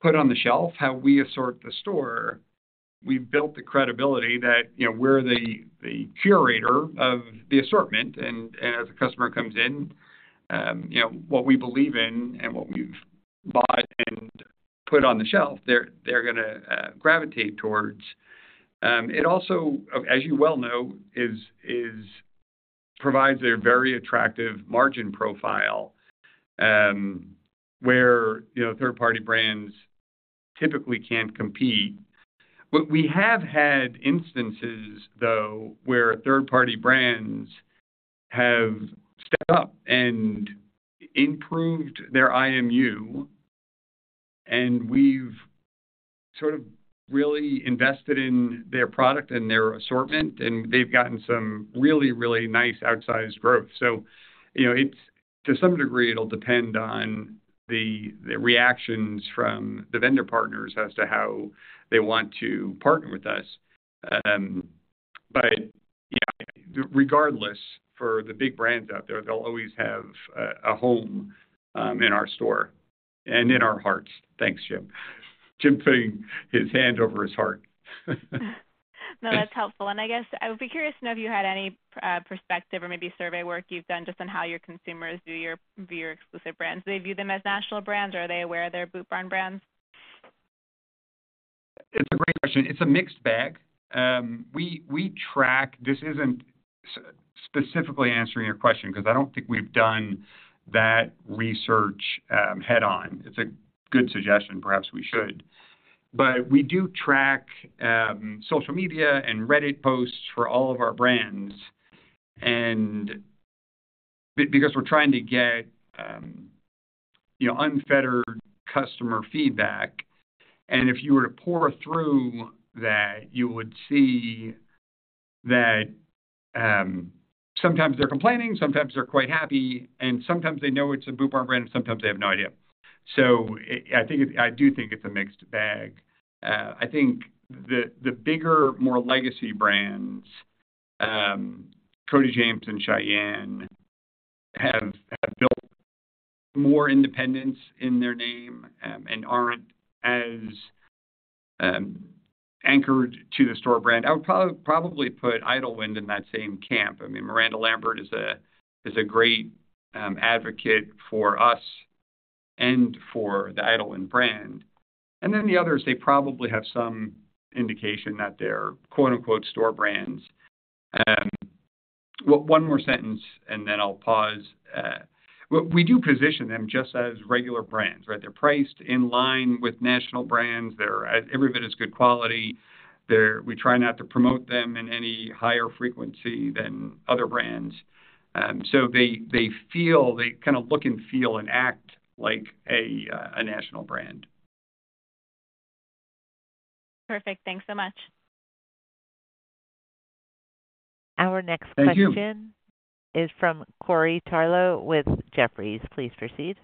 put on the shelf, how we assort the store, we've built the credibility that, you know, we're the, the curator of the assortment, and as a customer comes in, you know, what we believe in and what we've bought and put on the shelf, they're gonna gravitate towards. It also, as you well know, provides a very attractive margin profile, where, you know, third-party brands typically can't compete. We have had instances, though, where third-party brands have stepped up and improved their IMU, and we've sort of really invested in their product and their assortment, and they've gotten some really nice outsized growth. You know, it's to some degree, it'll depend on the, the reactions from the vendor partners as to how they want to partner with us. Yeah, regardless, for the big brands out there, they'll always have a, a home in our store and in our hearts. Thanks, Janine. Jim putting his hand over his heart. No, that's helpful. I guess I would be curious to know if you had any, perspective or maybe survey work you've done just on how your consumers view your exclusive brands. Do they view them as national brands, or are they aware they're Boot Barn brands? It's a great question. It's a mixed bag, we track. This isn't specifically answering your question because I don't think we've done that research head-on. It's a good suggestion. Perhaps we should. We do track social media and Reddit posts for all of our brands because we're trying to get, you know, unfettered customer feedback. If you were to pore through that, you would see that sometimes they're complaining, sometimes they're quite happy, and sometimes they know it's a Boot Barn brand, and sometimes they have no idea. I do think it's a mixed bag. I think the bigger, more legacy brands, Cody James and Shyanne, have built more independence in their name and aren't as anchored to the store brand. I would probably put Idyllwind in that same camp. I mean, Miranda Lambert is a great advocate for us and for the Idyllwind brand. Then the others, they probably have some indication that they're, quote-unquote, "store brands." One more sentence, and then I'll pause. We do position them just as regular brands, right? They're priced in line with national brands. They're every bit as good quality. We try not to promote them in any higher frequency than other brands. They feel, they kind of look and feel and act like a national brand. Perfect, thanks so much. Our next question— Thank you. is from Corey Tarlowe with Jefferies. Please proceed.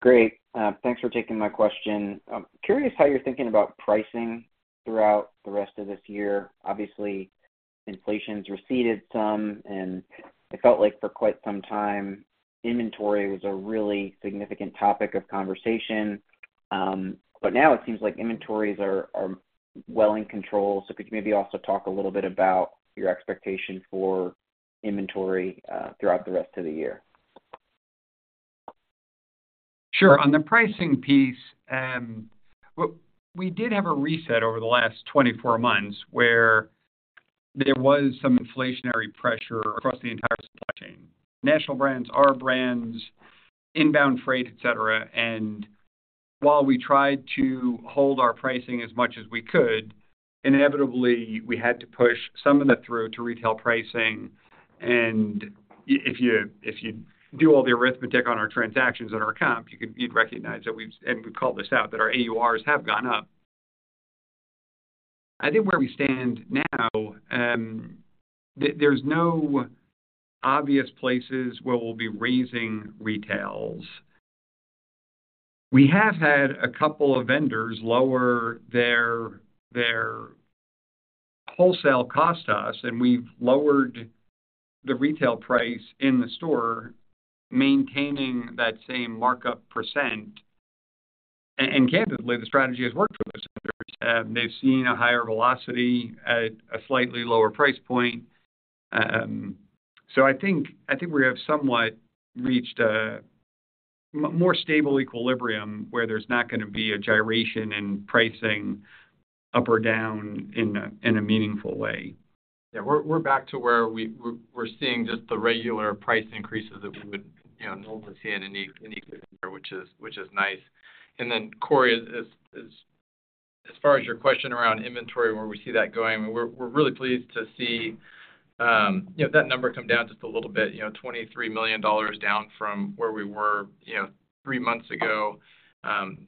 Great. Thanks for taking my question. I'm curious how you're thinking about pricing throughout the rest of this year. Obviously, inflation's receded some, and it felt like for quite some time, inventory was a really significant topic of conversation. Now it seems like inventories are, are well in control. Could you maybe also talk a little bit about your expectation for inventory throughout the rest of the year? Sure, on the pricing piece, well, we did have a reset over the last 24 months where there was some inflationary pressure across the entire supply chain, national brands, our brands, inbound freight, etc.. While we tried to hold our pricing as much as we could, inevitably, we had to push some of that through to retail pricing. If you do all the arithmetic on our transactions on our comp, you'd recognize that we've called this out, that our AURs have gone up. I think where we stand now, there's no obvious places where we'll be raising retails. We have had a couple of vendors lower their wholesale cost to us, and we've lowered the retail price in the store, maintaining that same markup percent. Candidly, the strategy has worked for those vendors. They've seen a higher velocity at a slightly lower price point. I think, we have somewhat reached a more stable equilibrium where there's not going to be a gyration in pricing up or down in a meaningful way. Yeah, we're back to where we, we're seeing just the regular price increases that we would, you know, normally see in any, any given year, which is, which is nice. Corey, as far as your question around inventory, where we see that going, we're, we're really pleased to see, you know, that number come down just a little bit, you know, $23 million down from where we were, you know, three months ago,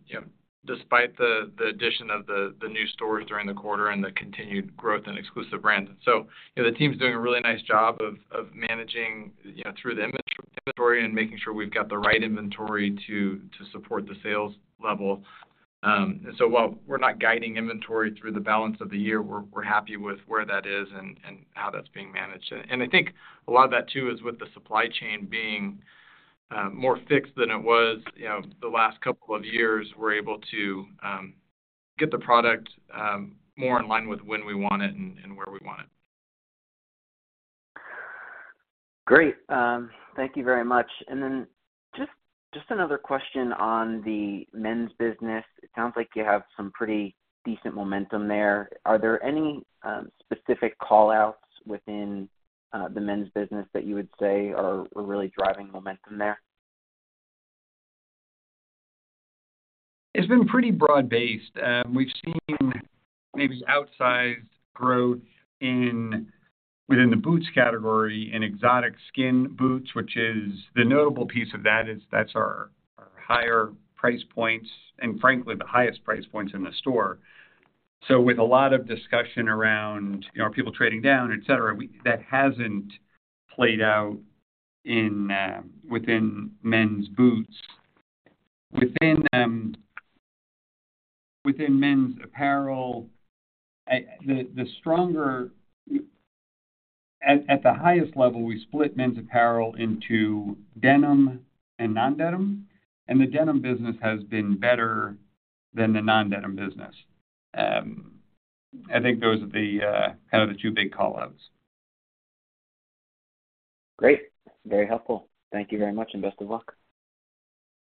you know, despite the, the addition of the new stores during the quarter and the continued growth in exclusive brands. You know, the team's doing a really nice job of, of managing, you know, through the inventory and making sure we've got the right inventory to, to support the sales level. While we're not guiding inventory through the balance of the year, we're happy with where that is and, and how that's being managed. I think a lot of that, too, is with the supply chain being more fixed than it was, you know, the last couple of years. We're able to get the product more in line with when we want it, and where we want it. Great. Thank you very much. Just another question on the men's business. It sounds like you have some pretty decent momentum there. Are there any specific call-outs within...the men's business that you would say are, are really driving momentum there? It's been pretty broad-based. We've seen maybe outsized growth in, within the boots category, in exotic skin boots, which is the notable piece of that is that's our, our higher price points and frankly, the highest price points in the store. With a lot of discussion around, you know, people trading down, etc., that hasn't played out in within men's boots. Within men's apparel, the highest level, we split men's apparel into denim and non-denim, and the denim business has been better than the non-denim business. I think those are the two big call-outs. Great, very helpful. Thank you very much, best of luck.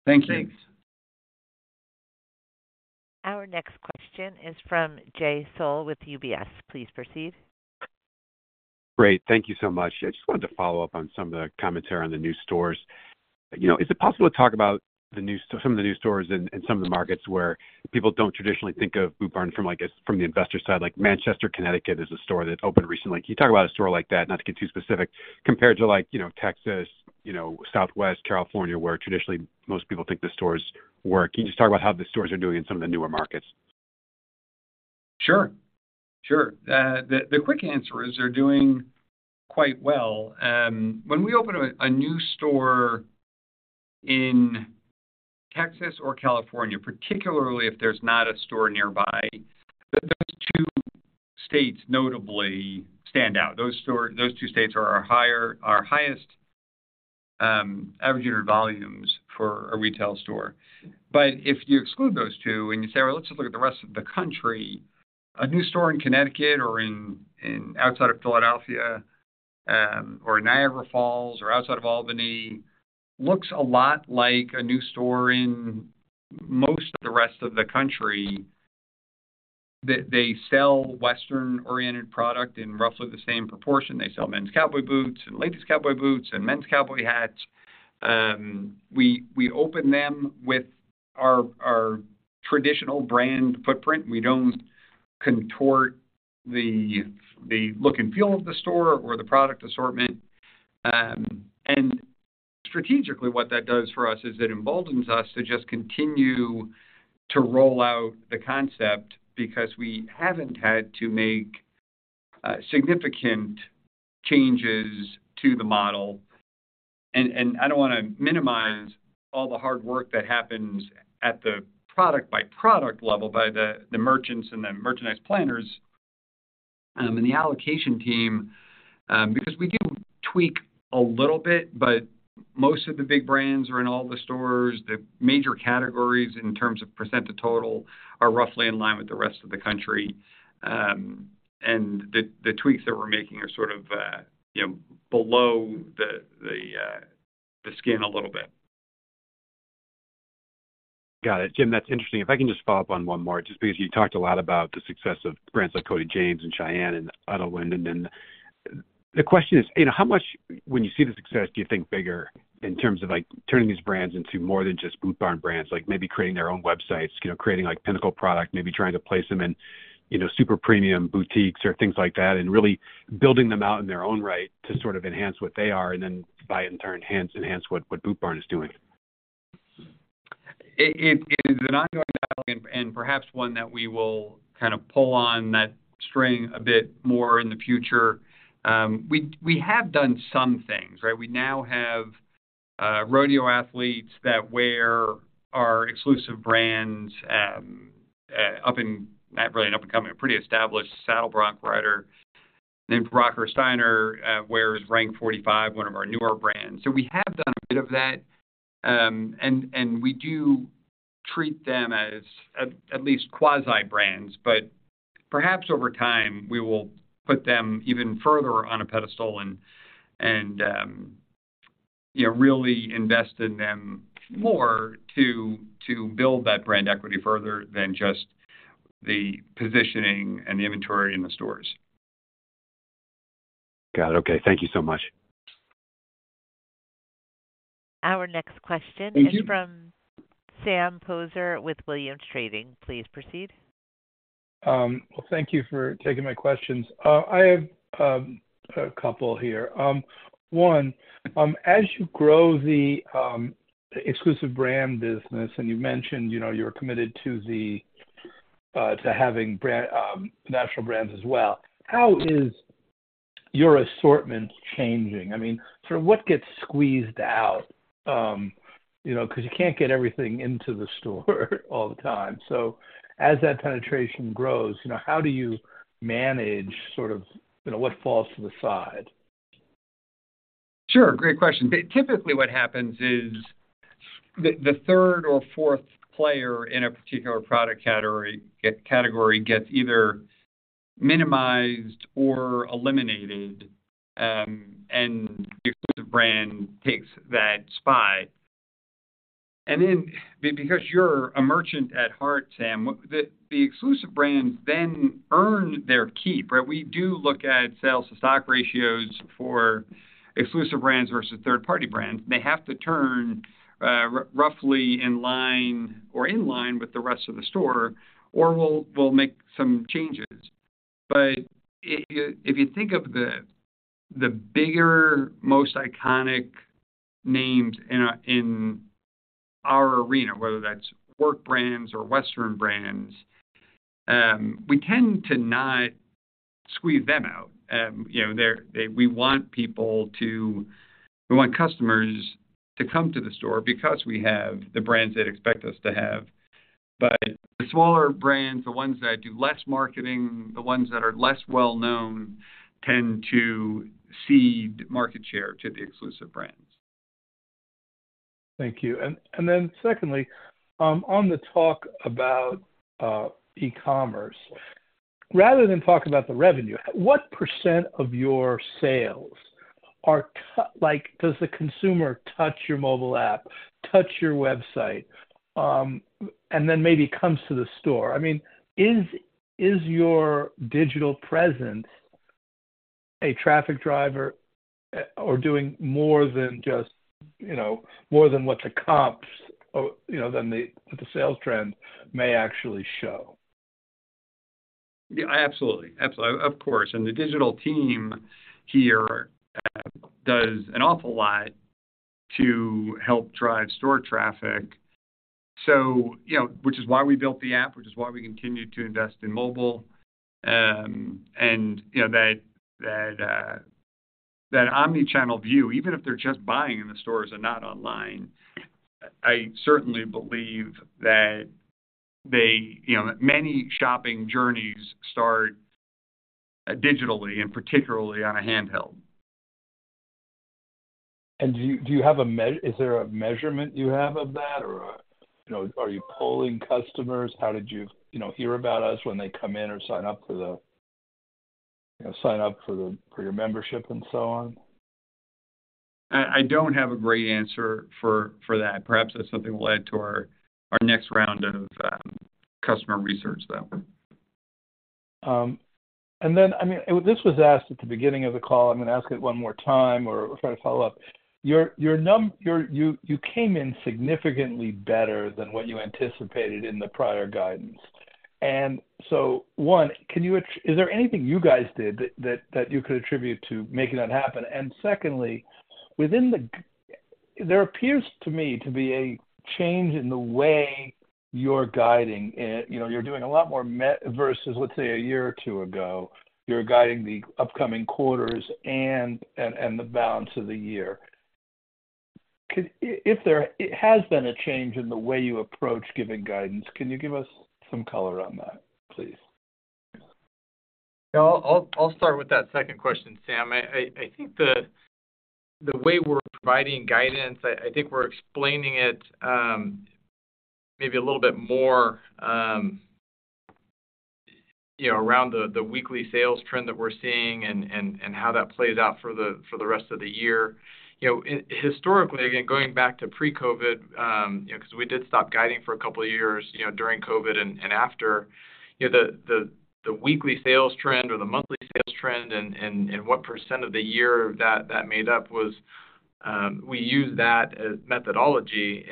Thank you. Thanks. Our next question is from Jay Sole with UBS. Please proceed. Great, thank you so much. I just wanted to follow up on some of the commentary on the new stores. You know, is it possible to talk about the new, some of the new stores in some of the markets where people don't traditionally think of Boot Barn from like a, from the investor side? Like Manchester, Connecticut, is a store that opened recently. Can you talk about a store like that, not to get too specific, compared to, like, you know, Texas, you know, Southwest California, where traditionally most people think the stores work? Can you just talk about how the stores are doing in some of the newer markets? Sure, the quick answer is they're doing quite well. When we open a, a new store in Texas or California, particularly if there's not a store nearby, those two states notably stand out. Those store—those two states are our higher, our highest, average unit volumes for a retail store. If you exclude those two, and you say, "Well, let's just look at the rest of the country," a new store in Connecticut or in, in outside of Philadelphia, or in Niagara Falls or outside of Albany, looks a lot like a new store in most of the rest of the country. They sell Western-oriented product in roughly the same proportion. They sell men's cowboy boots and ladies' cowboy boots and men's cowboy hats. We open them with our traditional brand footprint. We don't contort the look and feel of the store or the product assortment. Strategically, what that does for us is it emboldens us to just continue to roll out the concept, because we haven't had to make significant changes to the model. I don't want to minimize all the hard work that happens at the product-by-product level by the merchants and the merchandise planners, and the allocation team, because we do tweak a little bit, but most of the big brands are in all the stores. The major categories in terms of percent of total are roughly in line with the rest of the country. The tweaks that we're making are sort of, you know, below the skin a little bit. Got it. Jim, that's interesting, if I can just follow up on one more, just because you talked a lot about the success of brands like Cody James and Shyanne and Idyllwind. The question is, you know, how much, when you see the success, do you think bigger in terms of, like, turning these brands into more than just Boot Barn brands? Like maybe creating their own websites, you know, creating like pinnacle product, maybe trying to place them in, you know, super premium boutiques or things like that, and really building them out in their own right to sort of enhance what they are and then, by in turn, enhance what, what Boot Barn is doing? It is an ongoing dialogue, and, and perhaps one that we will kind of pull on that string a bit more in the future. We, we have done some things, right? We now have rodeo athletes that wear our exclusive brands, up and—not really up-and-coming, a pretty established saddle bronc rider named Brock, Rooker Steiner, wears RANK 45, one of our newer brands. We have done a bit of that. We do treat them as at, at least quasi-brands, but perhaps over time, we will put them even further on a pedestal and, you know, really invest in them more to build that brand equity further than just the positioning and the inventory in the stores. Got it. Okay, thank you so much. Our next question— Thank you. is from Sam Poser with Williams Trading. Please proceed. Well, thank you for taking my questions. I have a couple here. One, as you grow the exclusive brand business, and you mentioned, you know, you're committed to the to having brand natural brands as well, how is your assortment changing? I mean, sort of what gets squeezed out, you know, because you can't get everything into the store all the time. As that penetration grows, you know, how do you manage sort of, you know, what falls to the side? Sure, great question. Typically, what happens is the, the third or fourth player in a particular product category gets either minimized or eliminated, and the exclusive brand takes that spot. Because you're a merchant at heart, Sam, the exclusive brands then earn their keep, right? We do look at sales to stock ratios for exclusive brands versus third-party brands. They have to turn, roughly in line or in line with the rest of the store, or we'll make some changes. If you, think of the bigger, most iconic names in our, in our arena, whether that's work brands or western brands, we tend to not squeeze them out. You know, we want people to we want customers to come to the store because we have the brands they'd expect us to have. The smaller brands, the ones that do less marketing, the ones that are less well known, tend to cede market share to the exclusive brands. Thank you. Then secondly, on the talk about e-commerce, rather than talk about the revenue, what percent of your sales are like, does the consumer touch your mobile app, touch your website, and then maybe comes to the store? I mean, is, is your digital presence a traffic driver, or doing more than just, you know, more than what the comps or, you know, than the sales trends may actually show? Yeah absolutely, of course. The digital team here does an awful lot to help drive store traffic. You know, which is why we built the app, which is why we continue to invest in mobile. You know, that omnichannel view, even if they're just buying in the stores and not online, I certainly believe that many shopping journeys start digitally and particularly on a handheld. Do you, have a, is there a measurement you have of that? Or, you know, are you polling customers? How did you, you know, hear about us when they come in or sign up for the, you know, sign up for the—for your membership and so on? I don't have a great answer for that. Perhaps that's something we'll add to our next round of, customer research, though. I mean, this was asked at the beginning of the call. I'm going to ask it one more time or try to follow up. Your, you came in significantly better than what you anticipated in the prior guidance. One, can you is there anything you guys did that you could attribute to making that happen? Secondly, within the. There appears to me to be a change in the way you're guiding. You know, you're doing a lot more versus, let's say, a year or two ago. You're guiding the upcoming quarters and the balance of the year. If there has been a change in the way you approach giving guidance, can you give us some color on that, please? I'll start with that second question, Sam. I think the way we're providing guidance, I think we're explaining it, maybe a little bit more, you know, around the weekly sales trend that we're seeing and how that plays out for the rest of the year. Historically, again, going back to pre-COVID, you know, because we did stop guiding for a couple of years, you know, during COVID and after. The weekly sales trend or the monthly sales trend and what percent of the year that made up was, we use that as methodology.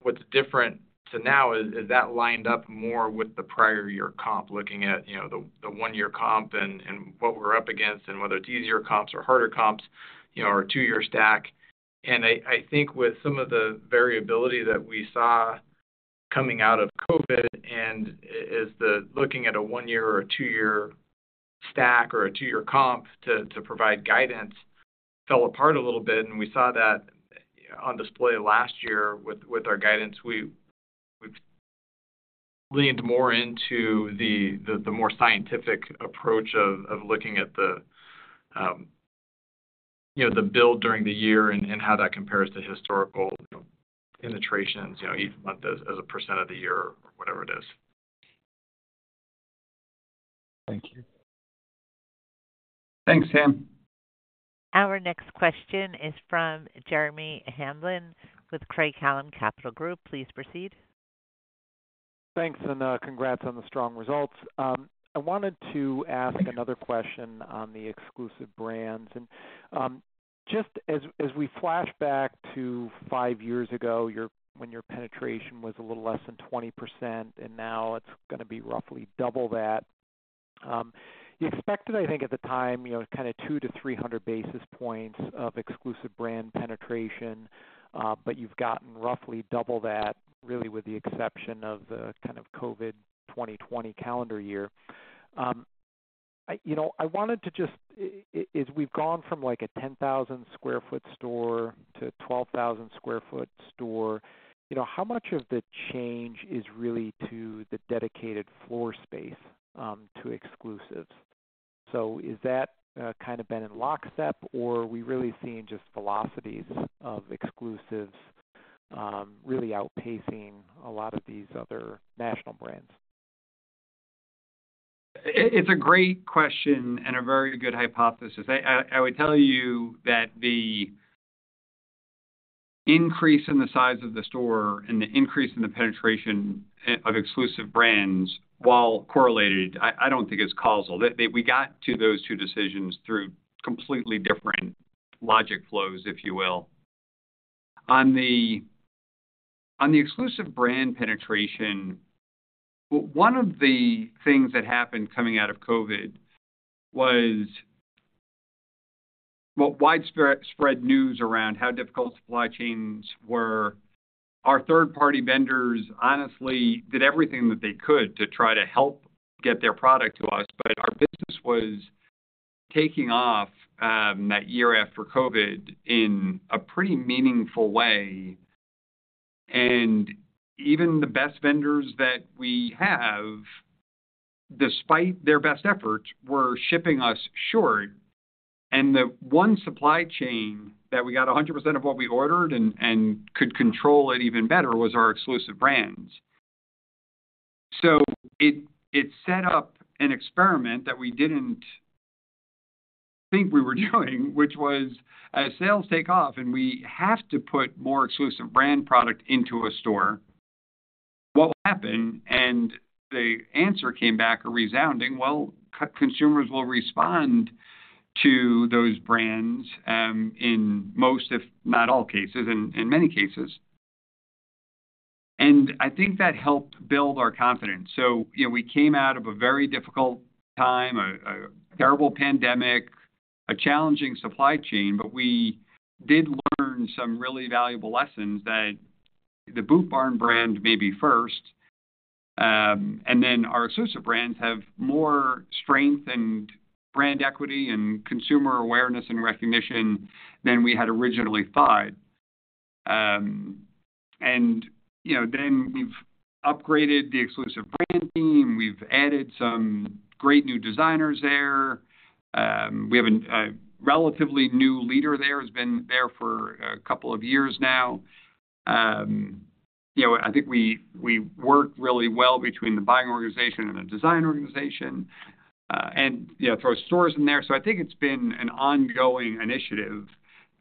What's different to now is that lined up more with the prior year comp, looking at, you know, the, the one-year comp and what we're up against, and whether it's easier comps or harder comps, you know, or two-year stack. I think with some of the variability that we saw coming out of COVID, and as the looking at a one-year or a two-year stack or a two-year comp to provide guidance fell apart a little bit, and we saw that on display last year with, with our guidance. We, we've leaned more into the more scientific approach of looking at the, you know, the build during the year and how that compares to historical, you know, penetrations, you know, each month as a percent of the year or whatever it is. Thank you. Thanks, Sam. Our next question is from Jeremy Hamblin with Craig-Hallum Capital Group. Please proceed. Thanks, and congrats on the strong results. I wanted to ask another question on the exclusive brands. Just as we flash back to five years ago, your—when your penetration was a little less than 20%, and now it's gonna be roughly double that. You expected, I think, at the time, you know, kind of 200-300 basis points of exclusive brand penetration, but you've gotten roughly double that, really, with the exception of the kind of COVID 2020 calendar year. I, you know, I wanted to just—s we've gone from, like, a 10,000 sq ft store to 12,000 sq ft store, you know, how much of the change is really to the dedicated floor space, to exclusives? Is that, kind of been in lockstep, or are we really seeing just velocities of exclusives, really outpacing a lot of these other national brands? It's a great question and a very good hypothesis. I would tell you that the increase in the size of the store and the increase in the penetration of exclusive brands, while correlated, I don't think it's causal. We got to those two decisions through completely different logic flows, if you will. On the exclusive brand penetration, one of the things that happened coming out of COVID was what widespread news around how difficult supply chains were. Our third-party vendors honestly did everything that they could to try to help get their product to us, but our business was taking off that year after COVID in a pretty meaningful way. Even the best vendors that we have, despite their best efforts, were shipping us short. The one supply chain that we got 100% of what we ordered and could control it even better was our exclusive brands. It set up an experiment that we didn't think we were doing, which was, as sales take off, and we have to put more exclusive brand product into a store, what will happen? The answer came back a resounding, well, consumers will respond to those brands, in most, if not all, cases, and in many cases. I think that helped build our confidence. You know, we came out of a very difficult time, a terrible pandemic, a challenging supply chain, but we did learn some really valuable lessons that the Boot Barn brand may be first. Then our exclusive brands have more strength and brand equity and consumer awareness and recognition than we had originally thought. You know, then we've upgraded the exclusive brand team. We've added some great new designers there. We have a, a relatively new leader there, has been there for a couple of years now. You know, I think we, we work really well between the buying organization and the design organization, and, you know, throw stores in there. I think it's been an ongoing initiative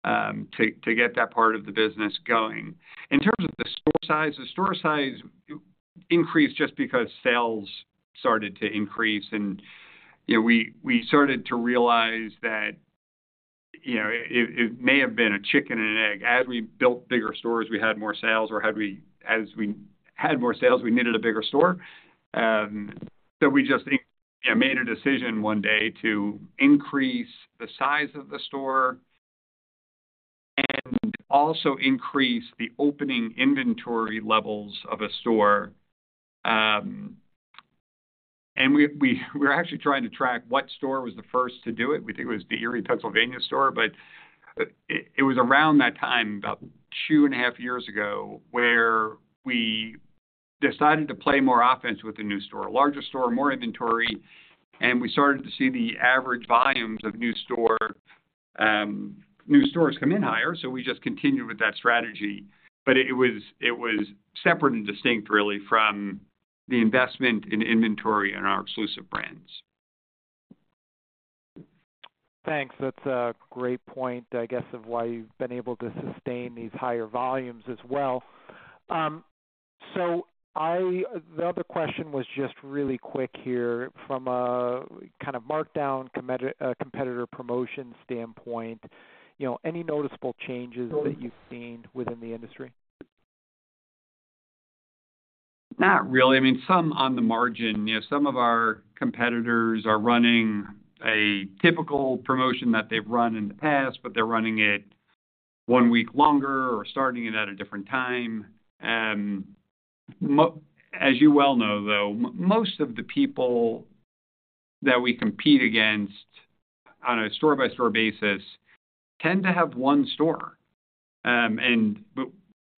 to get that part of the business going. In terms of the store size, the store size increased just because sales started to increase. You know, we started to realize that, you know, it may have been a chicken and an egg. As we built bigger stores, we had more sales, or as we had more sales, we needed a bigger store. We just, you know, made a decision one day to increase the size of the store and also increase the opening inventory levels of a store. We, we're actually trying to track what store was the first to do it. We think it was the Erie, Pennsylvania, store. It was around that time, about two and half years ago, where we decided to play more offense with the new store, larger store, more inventory, and we started to see the average volumes of new store, new stores come in higher. We just continued with that strategy. It was, separate and distinct really from the investment in inventory and our exclusive brands. Thanks. That's a great point, I guess, of why you've been able to sustain these higher volumes as well. The other question was just really quick here. From a kind of markdown competitor promotion standpoint, you know, any noticeable changes that you've seen within the industry? Not really. I mean, some on the margin. You know, some of our competitors are running a typical promotion that they've run in the past, but they're running it one week longer or starting it at a different time. As you well know, though, most of the people that we compete against on a store-by-store basis tend to have one store.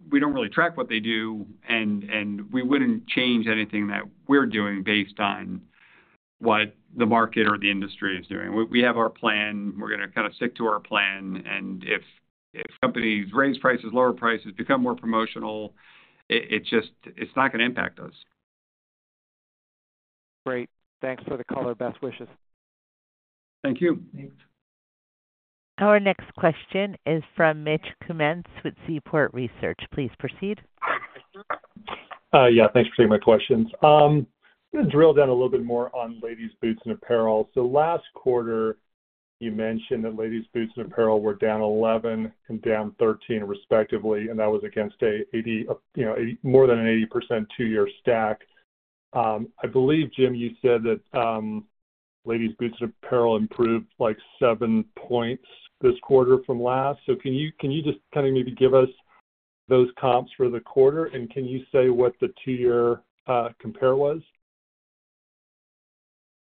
We don't really track what they do, and we wouldn't change anything that we're doing based on what the market or the industry is doing. We, we have our plan. We're going to kind of stick to our plan. If companies raise prices, lower prices, become more promotional, it just, it's not going to impact us. Great. Thanks for the color. Best wishes. Thank you. Thanks. Our next question is from Mitch Kummetz with Seaport Research. Please proceed. Yeah, thanks for taking my questions. I'm gonna drill down a little bit more on ladies' boots and apparel. Last quarter, you mentioned that ladies' boots and apparel were down 11 and down 13, respectively, and that was against a 80, you know, more than an 80% two-year stack. I believe Jim, you said that, ladies' boots apparel improved, like, 7 points this quarter from last. Can you, just kind of maybe give us those comps for the quarter? Can you say what the two-year compare was?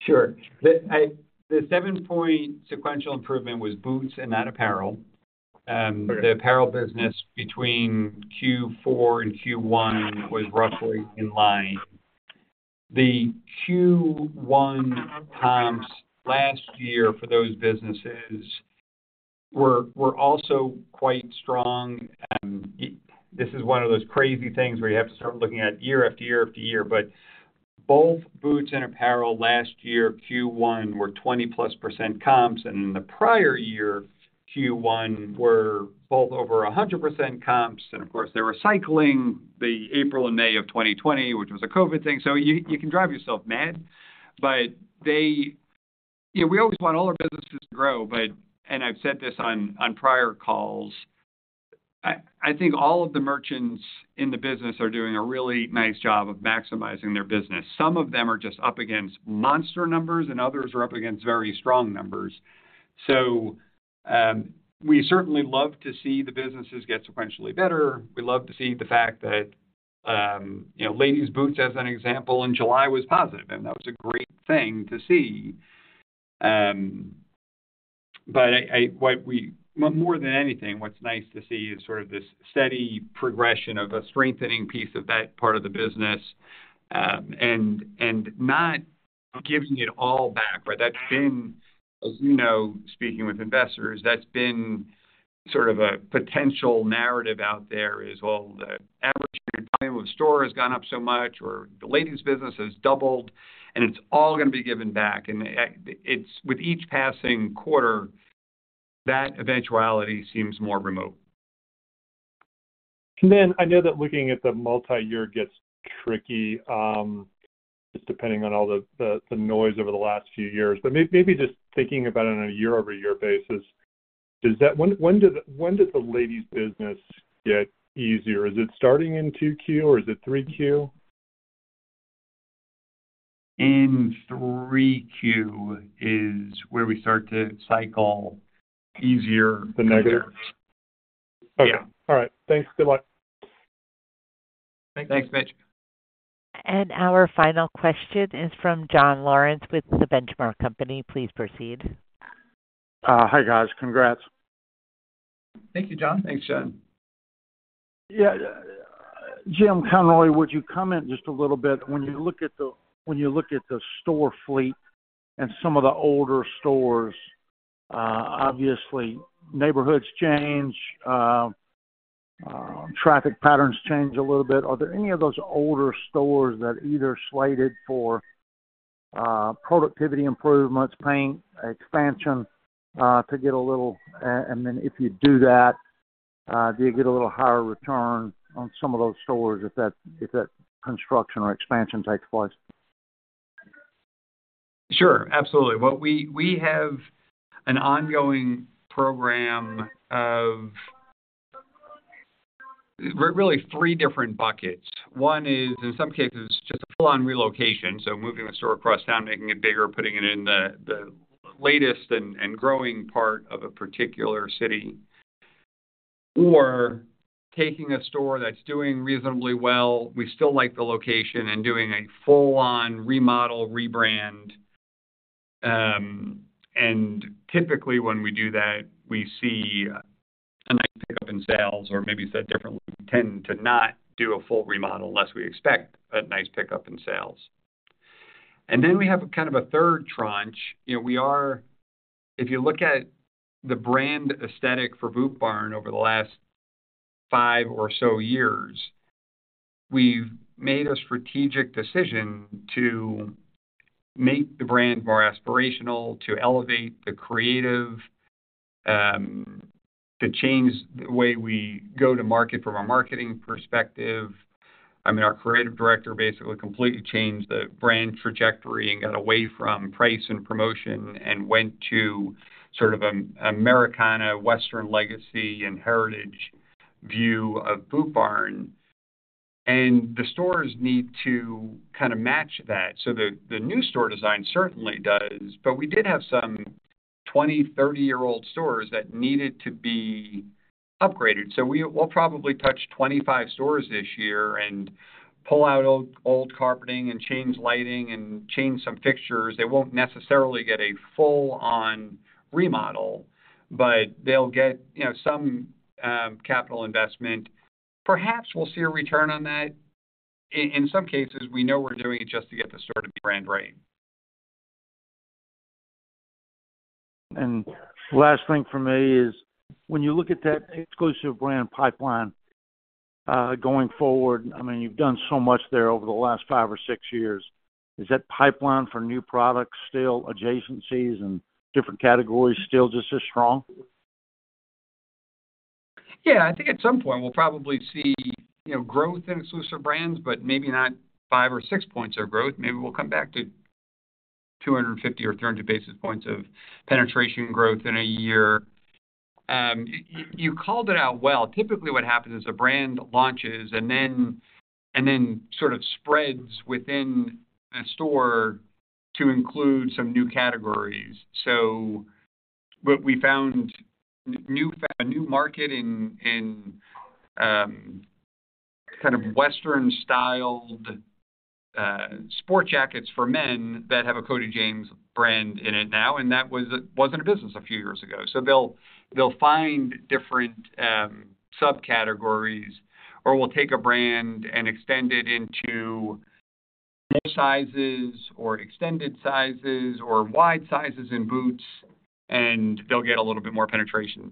Sure, the 7-point sequential improvement was boots and not apparel. Right. The apparel business between Q4 and Q1 was roughly in line. The Q1 comps last year for those businesses. We're, we're also quite strong. This is one of those crazy things where you have to start looking at year after year after year. Both boots and apparel last year, Q1, were 20%+ comps, and in the prior year, Q1 were both over 100% comps. Of course, they were cycling the April and May of 2020, which was a COVID thing. You can drive yourself mad. You know, we always want all our businesses to grow, but, and I've said this on, on prior calls, I think all of the merchants in the business are doing a really nice job of maximizing their business. Some of them are just up against monster numbers, and others are up against very strong numbers. We certainly love to see the businesses get sequentially better. We love to see the fact that, you know, ladies boots, as an example, in July was positive, and that was a great thing to see. I, more than anything, what's nice to see is sort of this steady progression of a strengthening piece of that part of the business, and not giving it all back. That's been, as you know, speaking with investors, that's been sort of a potential narrative out there is, well, the average store has gone up so much, or the ladies business has doubled, and it's all gonna be given back. It's, with each passing quarter, that eventuality seems more remote. Then I know that looking at the multi-year gets tricky, just depending on all the noise over the last few years. Maybe just thinking about it on a year-over-year basis, when does the ladies business get easier? Is it starting in 2Q, or is it 3Q? In 3Q is where we start to cycle easier the next year. Okay. Yeah. All right. Thanks. Good luck. Thanks, Mitch. Our final question is from John Lawrence with The Benchmark Company. Please proceed. Hi, guys. Congrats. Thank you John. Thanks John. Yeah. Jim Conroy would you comment just a little bit, when you look at the store fleet and some of the older stores, obviously, neighborhoods change, traffic patterns change a little bit. Are there any of those older stores that are either slated for productivity improvements, paying expansion, to get a little...and then if you do that, do you get a little higher return on some of those stores if that construction or expansion takes place? Sure, absolutely. What we have an ongoing program of really three different buckets. One is, in some cases, just a full-on relocation, so moving the store across town, making it bigger, putting it in the, the latest and growing part of a particular city. Taking a store that's doing reasonably well, we still like the location, and doing a full-on remodel, rebrand. Typically when we do that, we see a nice pickup in sales, or maybe said differently, we tend to not do a full remodel unless we expect a nice pickup in sales. Then we have kind of a third tranche. You know, we are if you look at the brand aesthetic for Boot Barn over the last five or so years, we've made a strategic decision to make the brand more aspirational, to elevate the creative, to change the way we go to market from a marketing perspective. I mean, our creative director basically completely changed the brand trajectory and got away from price and promotion and went to sort of an Americana Western legacy and heritage view of Boot Barn, and the stores need to kind of match that. The new store design certainly does, but we did have some 20, 30-year-old stores that needed to be upgraded. we'll probably touch 25 stores this year and pull out old carpeting and change lighting and change some fixtures. They won't necessarily get a full-on remodel, but they'll get, you know, some capital investment. Perhaps we'll see a return on that. In some cases, we know we're doing it just to get the sort of brand right. Last thing from me is, when you look at that exclusive brand pipeline, going forward, I mean, you've done so much there over the last five or six years. Is that pipeline for new products, still adjacencies and different categories, still just as strong? Yeah, I think at some point we'll probably see, you know, growth in exclusive brands, but maybe not 5 or 6 points of growth. Maybe we'll come back to 250 or 300 basis points of penetration growth in a year. You called it out well. Typically, what happens is a brand launches, and then sort of spreads within the store to include some new categories. What we found new, a new market in, kind of Western-styled sport jackets for men that have a Cody James brand in it now, and that was a, wasn't a business a few years ago. They'll, they'll find different subcategories, or we'll take a brand and extend it into more sizes or extended sizes or wide sizes in boots, and they'll get a little bit more penetration.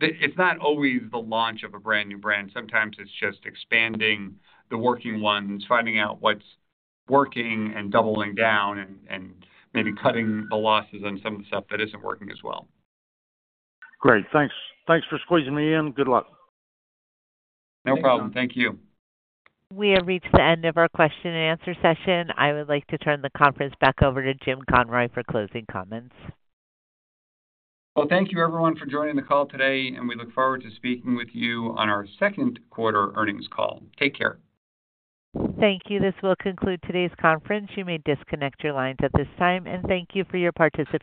It's not always the launch of a brand-new brand. Sometimes it's just expanding the working ones, finding out what's working and doubling down and maybe cutting the losses on some of the stuff that isn't working as well. Great. Thanks. Thanks for squeezing me in. Good luck. No problem. Thank you. We have reached the end of our question and answer session. I would like to turn the conference back over to Jim Conroy for closing comments. Well, thank you, everyone, for joining the call today, and we look forward to speaking with you on our second quarter earnings call. Take care. Thank you. This will conclude today's conference. You may disconnect your lines at this time. Thank you for your participation.